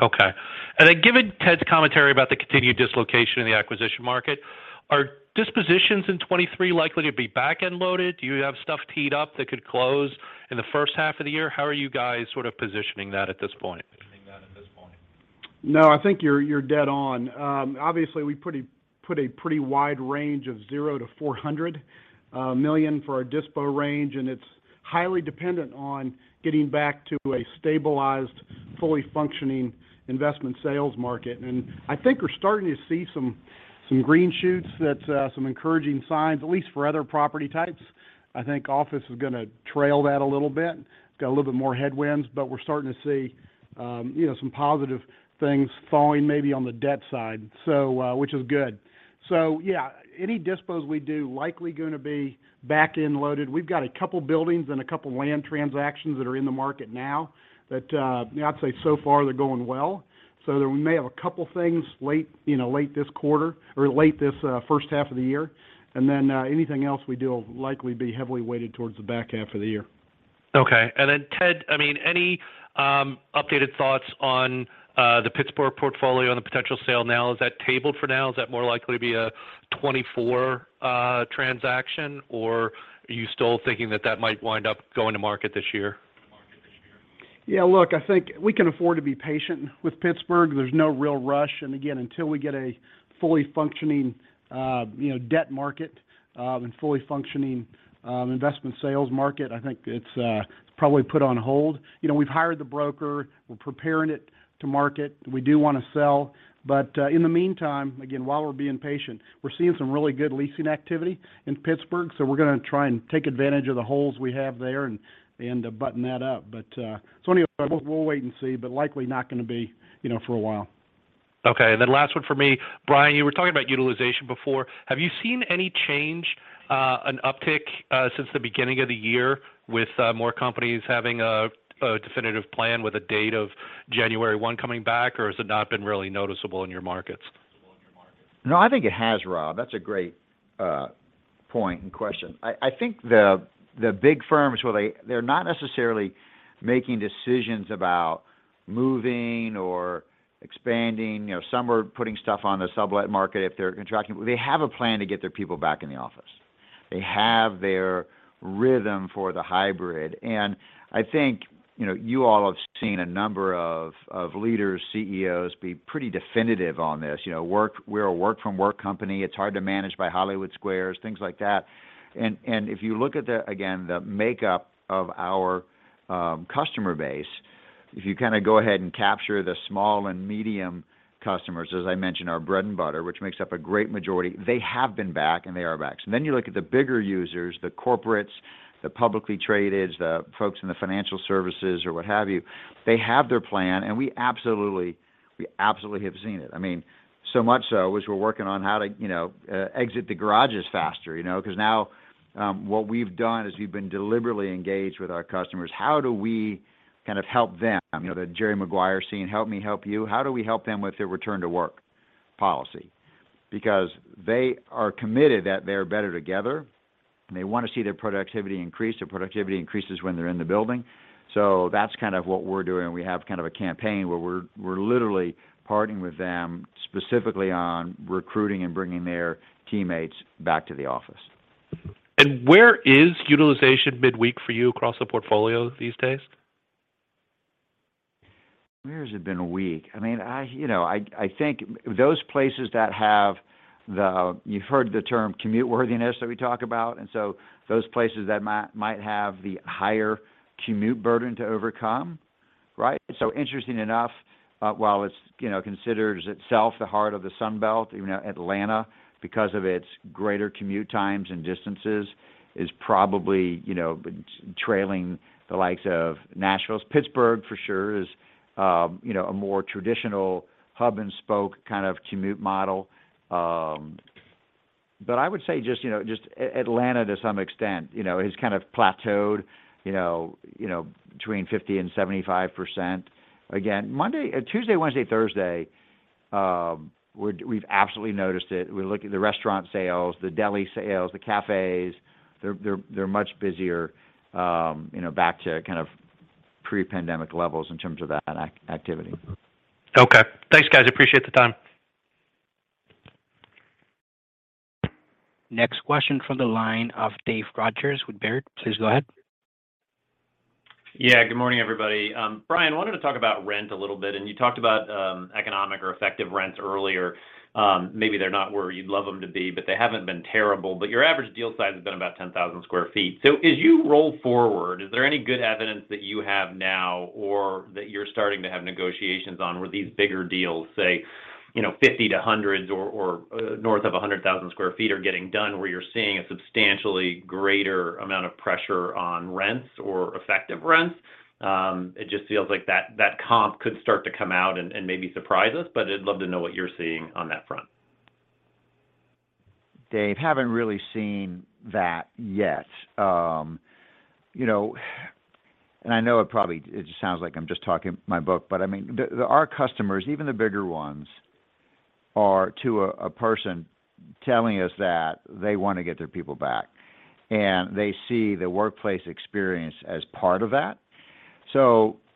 Okay. Given Ted's commentary about the continued dislocation in the acquisition market, are dispositions in 2023 likely to be back-end loaded? Do you have stuff teed up that could close in the first half of the year? How are you guys sort of positioning that at this point? No, I think you're dead on. Obviously we put a pretty wide range of 0 to $400 million for our dispo range. It's highly dependent on getting back to a stabilized, fully functioning investment sales market. I think we're starting to see some green shoots that some encouraging signs, at least for other property types. I think office is gonna trail that a little bit. It's got a little bit more headwinds, but we're starting to see, you know, some positive things thawing maybe on the debt side. Which is good. Yeah, any dispos we do likely gonna be back-end loaded. We've got a couple buildings and a couple land transactions that are in the market now that I'd say so far they're going well. We may have a couple things late, you know, late this quarter or late this first half of the year. Then, anything else we do will likely be heavily weighted towards the back half of the year. Okay. Ted, I mean, any updated thoughts on the Pittsburgh portfolio and the potential sale now? Is that tabled for now? Is that more likely to be a 2024 transaction, or are you still thinking that that might wind up going to market this year? Yeah, look, I think we can afford to be patient with Pittsburgh. There's no real rush. Again, until we get a fully functioning, you know, debt market, and fully functioning investment sales market, I think it's probably put on hold. You know, we've hired the broker, we're preparing it to market. We do wanna sell. In the meantime, again, while we're being patient, we're seeing some really good leasing activity in Pittsburgh, so we're gonna try and take advantage of the holes we have there and button that up. Anyway, we'll wait and see, but likely not gonna be, you know, for a while. Okay. Last one for me. Brian, you were talking about utilization before. Have you seen any change, an uptick, since the beginning of the year with, more companies having a definitive plan with a date of January 1 coming back, or has it not been really noticeable in your markets? No, I think it has, Rob. That's a great point and question. I think the big firms, while they're not necessarily making decisions about moving or expanding. You know, some are putting stuff on the sublet market if they're contracting. They have a plan to get their people back in the office. They have their rhythm for the hybrid. I think, you know, you all have seen a number of leaders, CEOs be pretty definitive on this. You know, we're a work from work company. It's hard to manage by Hollywood Squares, things like that. If you look at the, again, the makeup of our customer base, if you go ahead and capture the small and medium customers, as I mentioned, our bread and butter, which makes up a great majority, they have been back and they are back. You look at the bigger users, the corporates, the publicly traded, the folks in the financial services or what have you, they have their plan, and we absolutely have seen it. I mean, so much so as we're working on how to, you know, exit the garages faster, you know. Because now, what we've done is we've been deliberately engaged with our customers. How do we help them? You know, the Jerry Maguire scene, help me help you. How do we help them with their return to work policy? They are committed that they're better together. They want to see their productivity increase. Their productivity increases when they're in the building. That's kind of what we're doing. We have kind of a campaign where we're literally partnering with them specifically on recruiting and bringing their teammates back to the office. Where is utilization midweek for you across the portfolio these days? Where has it been weak? I mean, I, you know, I think those places that have the You've heard the term commute worthiness that we talk about. Those places that might have the higher commute burden to overcome, right? Interesting enough, while it's, you know, considers itself the heart of the Sun Belt, even though Atlanta, because of its greater commute times and distances, is probably, you know, trailing the likes of Nashville. Pittsburgh, for sure, is, you know, a more traditional hub and spoke kind of commute model. I would say just, you know, just Atlanta to some extent, you know, has kind of plateaued, you know, between 50% and 75%. Again, Monday Tuesday, Wednesday, Thursday, we've absolutely noticed it. We look at the restaurant sales, the deli sales, the cafes. They're much busier, you know, back to kind of pre-pandemic levels in terms of that activity. Okay. Thanks, guys. Appreciate the time. Next question from the line of Dave Rodgers with Baird. Please go ahead. Good morning, everybody. Brian, wanted to talk about rent a little bit, and you talked about economic or effective rents earlier. Maybe they're not where you'd love them to be, but they haven't been terrible. Your average deal size has been about 10,000 sq ft. As you roll forward, is there any good evidence that you have now or that you're starting to have negotiations on where these bigger deals say, you know, 50-100 or north of 100,000 sq ft are getting done where you're seeing a substantially greater amount of pressure on rents or effective rents. It just feels like that comp could start to come out and maybe surprise us. I'd love to know what you're seeing on that front. Dave, haven't really seen that yet. You know, I know it just sounds like I'm just talking my book, but I mean, our customers, even the bigger ones, are, to a person telling us that they wanna get their people back. They see the workplace experience as part of that.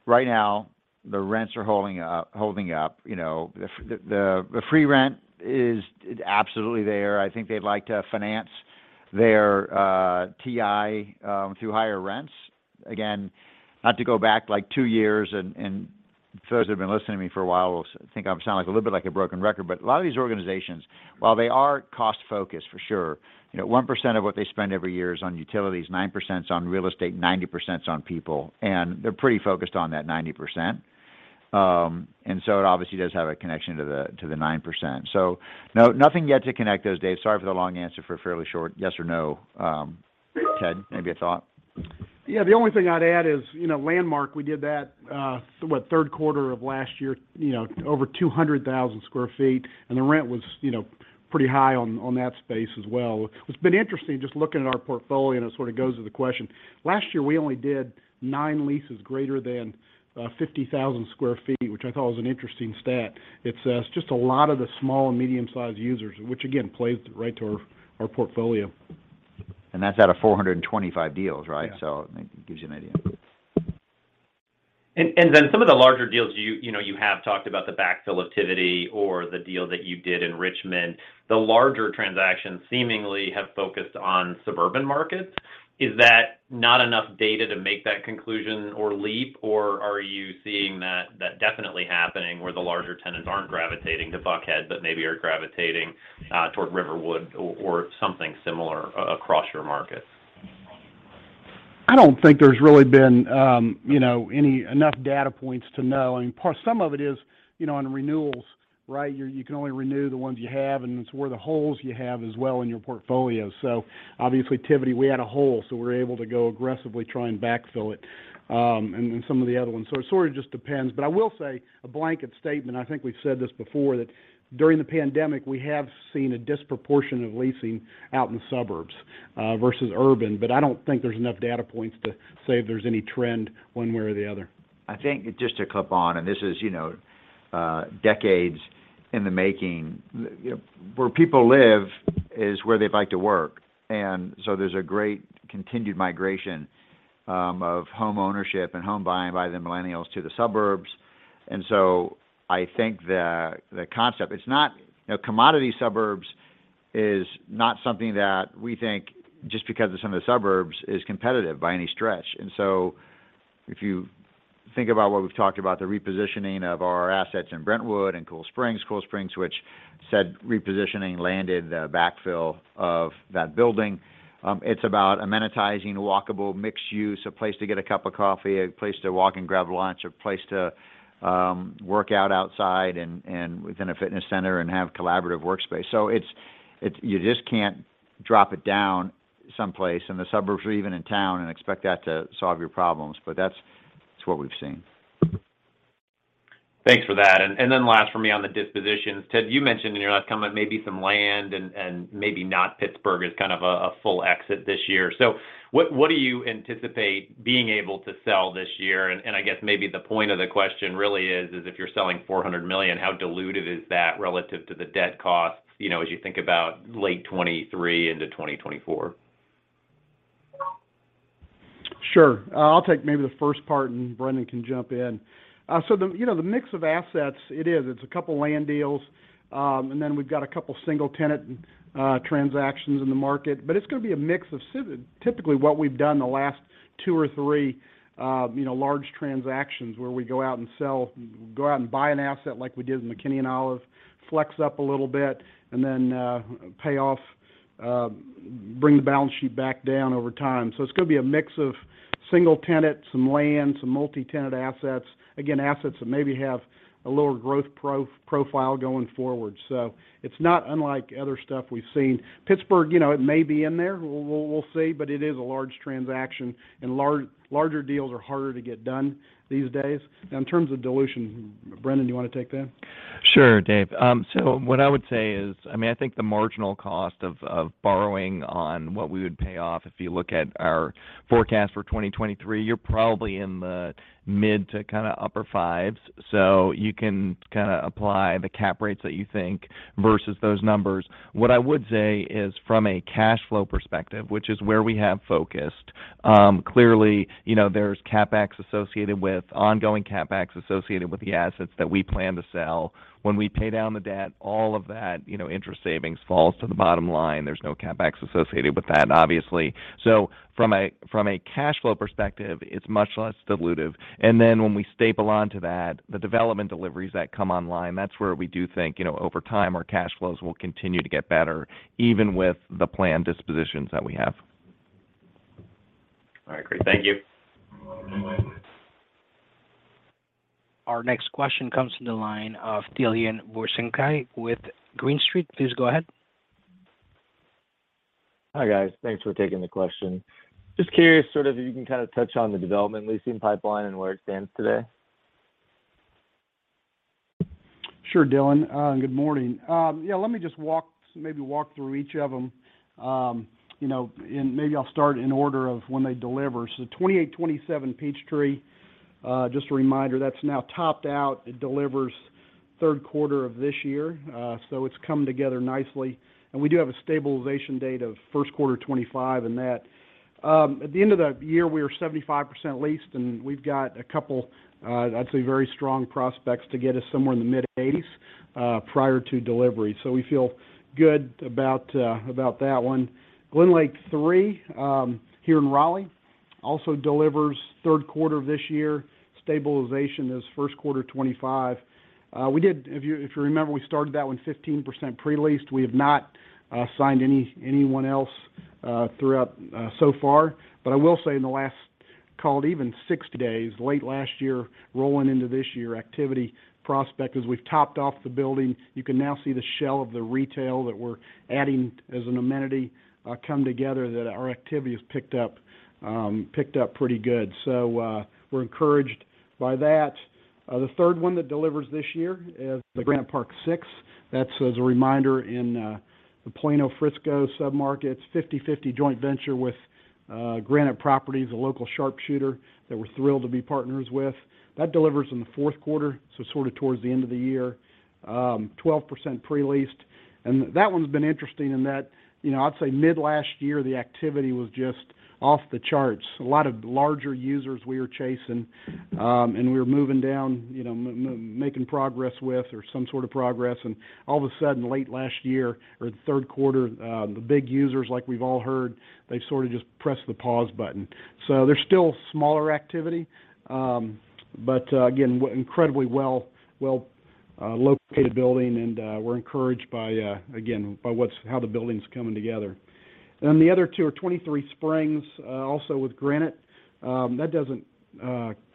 Right now, the rents are holding up, you know. The free rent is absolutely there. I think they'd like to finance their TI through higher rents. Not to go back like two years, and those that have been listening to me for a while will think I'm sounding a little bit like a broken record, but a lot of these organizations, while they are cost-focused for sure, you know, 1% of what they spend every year is on utilities, 9% is on real estate, 90% is on people, and they're pretty focused on that 90%. It obviously does have a connection to the 9%. No, nothing yet to connect those, Dave. Sorry for the long answer for a fairly short yes or no. Ted, maybe a thought? Yeah. The only thing I'd add is, you know, Landmark, we did that, what, third quarter of last year, you know, over 200,000 sq ft, and the rent was, you know, pretty high on that space as well. What's been interesting just looking at our portfolio, and this sort of goes with the question, last year we only did nine leases greater than 50,000 sq ft, which I thought was an interesting stat. It's, it's just a lot of the small and medium-sized users, which again, plays right to our portfolio. That's out of 425 deals, right? Yeah. It gives you an idea. Some of the larger deals you know, you have talked about the backfill activity or the deal that you did in Richmond, the larger transactions seemingly have focused on suburban markets. Is that not enough data to make that conclusion or leap, or are you seeing that definitely happening where the larger tenants aren't gravitating to Buckhead but maybe are gravitating toward Riverwood or something similar across your markets? I don't think there's really been, you know, enough data points to know. Some of it is, you know, on renewals, right. You can only renew the ones you have, and it's where the holes you have as well in your portfolio. Obviously, Tivity, we had a hole, so we're able to go aggressively try and backfill it, and then some of the other ones. It sort of just depends. I will say a blanket statement, I think we've said this before, that during the pandemic, we have seen a disproportion of leasing out in the suburbs, versus urban, but I don't think there's enough data points to say if there's any trend one way or the other. I think just to clip on, this is, you know, decades in the making. The, you know, where people live is where they'd like to work, there's a great continued migration of homeownership and home buying by the millennials to the suburbs. I think the concept. You know, commodity suburbs is not something that we think just because it's in the suburbs is competitive by any stretch. If you think about what we've talked about, the repositioning of our assets in Brentwood and Cool Springs. Cool Springs, which said repositioning landed the backfill of that building. It's about amenitizing walkable, mixed use, a place to get a cup of coffee, a place to walk and grab lunch, a place to work out outside and within a fitness center and have collaborative workspace. It's. You just can't drop it down someplace in the suburbs or even in town and expect that to solve your problems. That's what we've seen. Thanks for that. Then last for me on the dispositions, Ted, you mentioned in your last comment maybe some land and maybe not Pittsburgh as kind of a full exit this year. What do you anticipate being able to sell this year? I guess maybe the point of the question really is if you're selling $400 million, how diluted is that relative to the debt costs, you know, as you think about late 2023 into 2024? Sure. I'll take maybe the first part and Brendan can jump in. The, you know, the mix of assets, it is. It's a couple land deals, and then we've got a couple single-tenant transactions in the market. It's gonna be a mix of typically what we've done the last two or three, you know, large transactions where we go out and buy an asset like we did in McKinney & Olive, flex up a little bit, and then pay off, bring the balance sheet back down over time. It's gonna be a mix of single tenant, some land, some multi-tenant assets. Again, assets that maybe have a lower growth profile going forward. It's not unlike other stuff we've seen. Pittsburgh, you know, it may be in there. We'll see, but it is a large transaction, and larger deals are harder to get done these days. In terms of dilution, Brendan, you wanna take that? Sure, Dave. What I would say is, I mean, I think the marginal cost of borrowing on what we would pay off if you look at our forecast for 2023, you're probably in the mid- to kinda upper 5s. You can kinda apply the CapEx rates that you think versus those numbers. What I would say is from a cash flow perspective, which is where we have focused, clearly, you know, there's ongoing CapEx associated with the assets that we plan to sell. When we pay down the debt, all of that, you know, interest savings falls to the bottom line. There's no CapEx associated with that, obviously. From a, from a cash flow perspective, it's much less dilutive. Then, when we staple onto that the development deliveries that come online, that's where we do think, you know, over time, our cash flows will continue to get better, even with the planned dispositions that we have. All right, great. Thank you. You're welcome. Have a good one. Our next question comes from the line of Dylan Burzinski with Green Street. Please go ahead. Hi, guys. Thanks for taking the question. Just curious, sort of if you can kind of touch on the development leasing pipeline and where it stands today. Sure, Dylan. Good morning. Yeah, let me just walk through each of them, you know, maybe I'll start in order of when they deliver. 2827 Peachtree, just a reminder, that's now topped out. It delivers third quarter of this year. It's come together nicely. We do have a stabilization date of first quarter 2025. That at the end of the year, we were 75% leased, we've got a couple, I'd say, very strong prospects to get us somewhere in the mid-80s prior to delivery. We feel good about that one. GlenLake III, here in Raleigh also delivers third quarter of this year. Stabilization is first quarter 2025. If you remember, we started that one 15% pre-leased. We have not signed anyone else throughout so far. I will say in the last, call it, even 60 days, late last year rolling into this year, activity prospect, as we've topped off the building, you can now see the shell of the retail that we're adding as an amenity, come together, that our activity has picked up pretty good. We're encouraged by that. The third one that delivers this year is the Granite Park Six. That's as a reminder in the Plano-Frisco submarkets, 50/50 joint venture with Granite Properties, a local sharpshooter that we're thrilled to be partners with. That delivers in the fourth quarter, so sort of towards the end of the year. 12% pre-leased. That one's been interesting in that, you know, I'd say mid last year, the activity was just off the charts. A lot of larger users we were chasing, and we were moving down, you know, making progress with or some sort of progress. All of a sudden, late last year or the third quarter, the big users, like we've all heard, they sort of just pressed the pause button. There's still smaller activity, but again, incredibly well located building, and we're encouraged by again, by what's how the building's coming together. The other two are Twenty Three Springs, also with Granite. That doesn't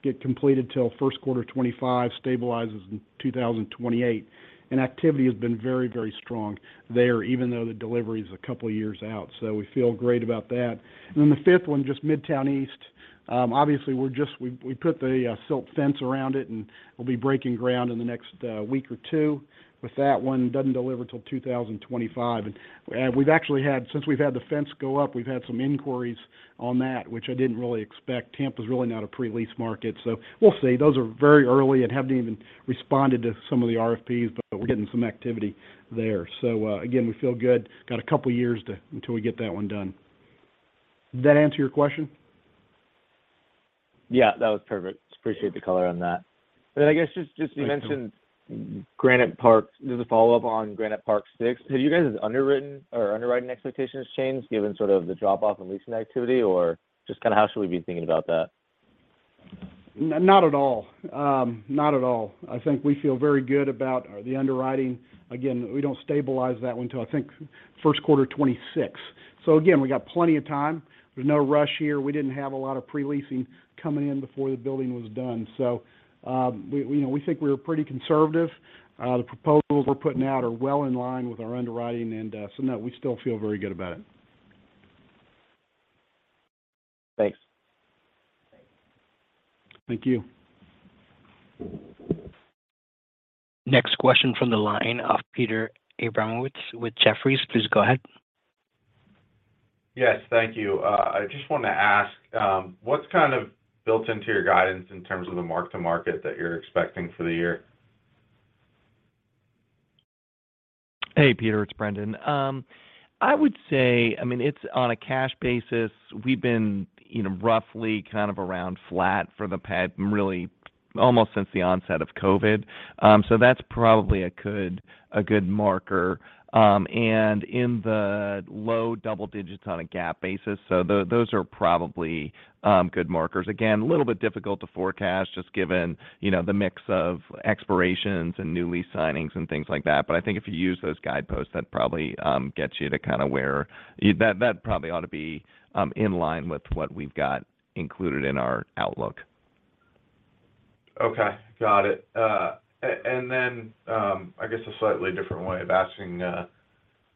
get completed till first quarter 2025, stabilizes in 2028. Activity has been very, very strong there, even though the delivery is a couple of years out. We feel great about that. Then the fifth one, just Midtown East. Obviously, we put the silt fence around it, and we'll be breaking ground in the next week or two with that one. Doesn't deliver till 2025. We've actually had Since we've had the fence go up, we've had some inquiries on that, which I didn't really expect. Tampa's really not a pre-lease market, we'll see. Those are very early and haven't even responded to some of the RFPs, but we're getting some activity there. Again, we feel good. Got a couple of years until we get that one done. Did that answer your question? Yeah, that was perfect. Appreciate the color on that. I guess just you mentioned Granite Park. Just a follow-up on Granite Park Six. Have you guys underwritten or underwriting expectations changed given sort of the drop-off in leasing activity, or just kind of how should we be thinking about that? Not at all. Not at all. I think we feel very good about the underwriting. Again, we don't stabilize that one till, I think, first quarter 2026. Again, we got plenty of time. There's no rush here. We didn't have a lot of pre-leasing coming in before the building was done. We, you know, we think we're pretty conservative. The proposals we're putting out are well in line with our underwriting. No, we still feel very good about it. Thanks. Thank you. Next question from the line of Peter Abramowitz with Jefferies. Please go ahead. Yes, thank you. I just want to ask, what's kind of built into your guidance in terms of the mark-to-market that you're expecting for the year? Hey, Peter, it's Brendan. I would say, I mean, it's on a cash basis. We've been, you know, roughly kind of around flat for the past, really almost since the onset of COVID. That's probably a good, a good marker. And in the low double digits on a GAAP basis. Those are probably good markers. Again, a little bit difficult to forecast just given, you know, the mix of expirations and new lease signings and things like that. I think if you use those guideposts, that probably gets you to kind of where. That probably ought to be in line with what we've got included in our outlook. Okay, got it. I guess a slightly different way of asking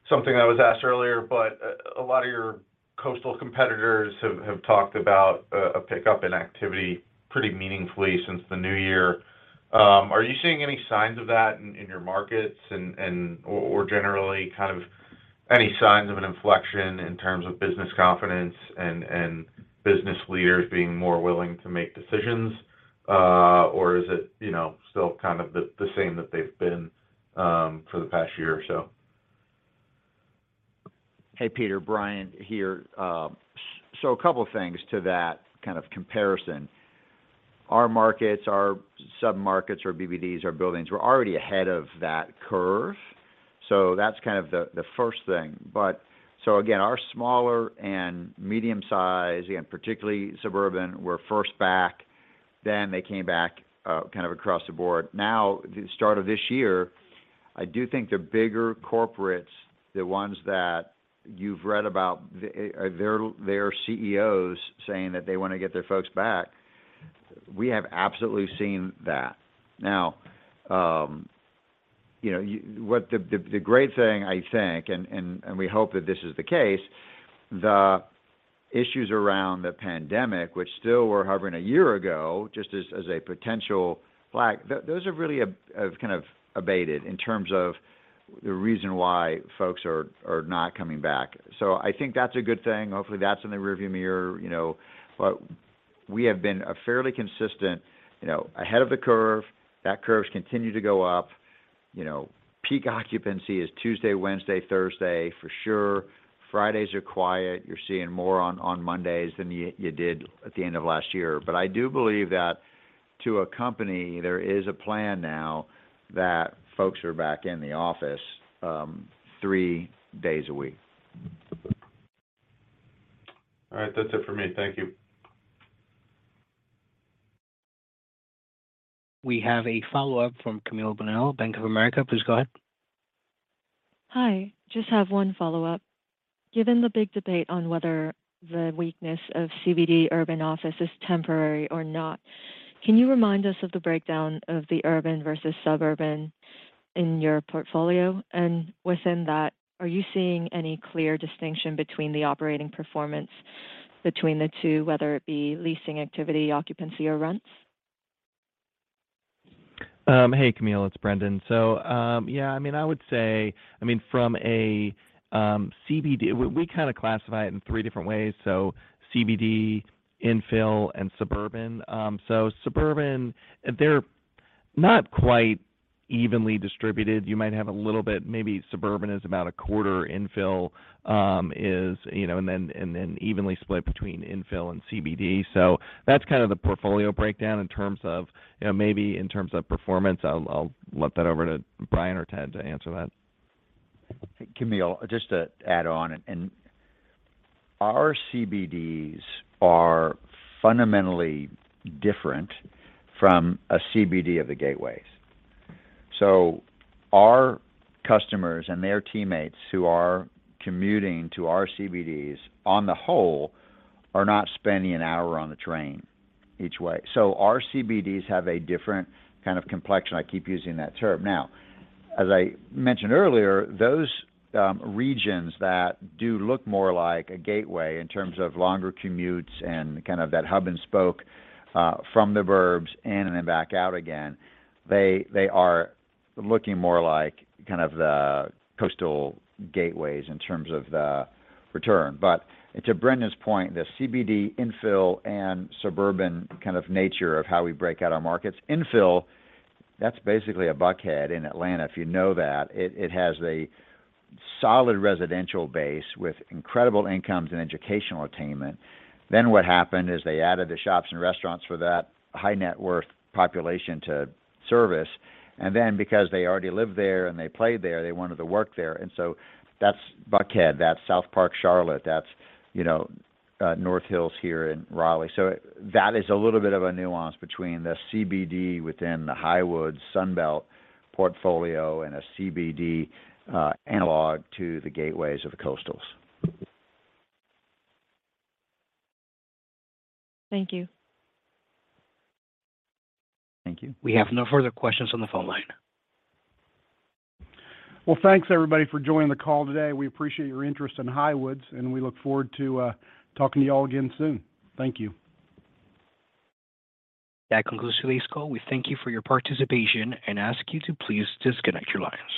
something that was asked earlier, but a lot of your coastal competitors have talked about a pickup in activity pretty meaningfully since the new year. Are you seeing any signs of that in your markets and or generally kind of any signs of an inflection in terms of business confidence and business leaders being more willing to make decisions? Or is it, you know, still kind of the same that they've been for the past year or so? Hey, Peter. Brian here. A couple of things to that kind of comparison. Our markets, our submarkets, our BBDs, our buildings, we're already ahead of that curve. That's kind of the first thing. Again, our smaller and medium-sized, again, particularly suburban, were first back. Then they came back kind of across the board. The start of this year, I do think the bigger corporates, the ones that you've read about, their CEOs saying that they wanna get their folks back, we have absolutely seen that. Now, you know, what the great thing I think, and we hope that this is the case, the issues around the pandemic, which still were hovering a year ago, just as a potential flag, those are really have kind of abated in terms of the reason why folks are not coming back. I think that's a good thing. Hopefully, that's in the rear view mirror, you know. We have been a fairly consistent, you know, ahead of the curve. That curves continue to go up. You know, peak occupancy is Tuesday, Wednesday, Thursday, for sure. Fridays are quiet. You're seeing more on Mondays than you did at the end of last year. I do believe that to a company, there is a plan now that folks are back in the office, three days a week. All right. That's it for me. Thank you. We have a follow-up from Camille Bonnel, Bank of America. Please go ahead. Hi. Just have one follow-up. Given the big debate on whether the weakness of CBD urban office is temporary or not, can you remind us of the breakdown of the urban versus suburban in your portfolio? Within that, are you seeing any clear distinction between the operating performance between the two, whether it be leasing activity, occupancy, or rents? Hey, Camille, it's Brendan. I mean, I would say, I mean, from a CBD, we kinda classify it in 3 different ways, CBD, infill, and suburban. Suburban, they're not quite evenly distributed. You might have a little bit. Maybe suburban is about a quarter infill, is and then evenly split between infill and CBD. That's kind of the portfolio breakdown in terms of. Maybe in terms of performance, I'll flip that over to Brian or Ted to answer that. Camille, just to add on, our CBDs are fundamentally different from a CBD of the gateways. Our customers and their teammates who are commuting to our CBDs on the whole are not spending 1 hour on the train each way. Our CBDs have a different kind of complexion. I keep using that term. Now, as I mentioned earlier, those regions that do look more like a gateway in terms of longer commutes and kind of that hub and spoke from the burbs in and then back out again, they are looking more like kind of the coastal gateways in terms of the return. To Brendan's point, the CBD infill and suburban kind of nature of how we break out our markets, infill, that's basically a Buckhead in Atlanta, if you know that. It has a solid residential base with incredible incomes and educational attainment. What happened is they added the shops and restaurants for that high net worth population to service. Because they already lived there and they played there, they wanted to work there. That's Buckhead, that's South Park, Charlotte, that's, you know, North Hills here in Raleigh. That is a little bit of a nuance between the CBD within the Highwoods Sunbelt portfolio and a CBD analog to the gateways of the coastals. Thank you. Thank you. We have no further questions on the phone line. Well, thanks everybody for joining the call today. We appreciate your interest in Highwoods, and we look forward to talking to you all again soon. Thank you. That concludes today's call. We thank you for your participation and ask you to please disconnect your lines.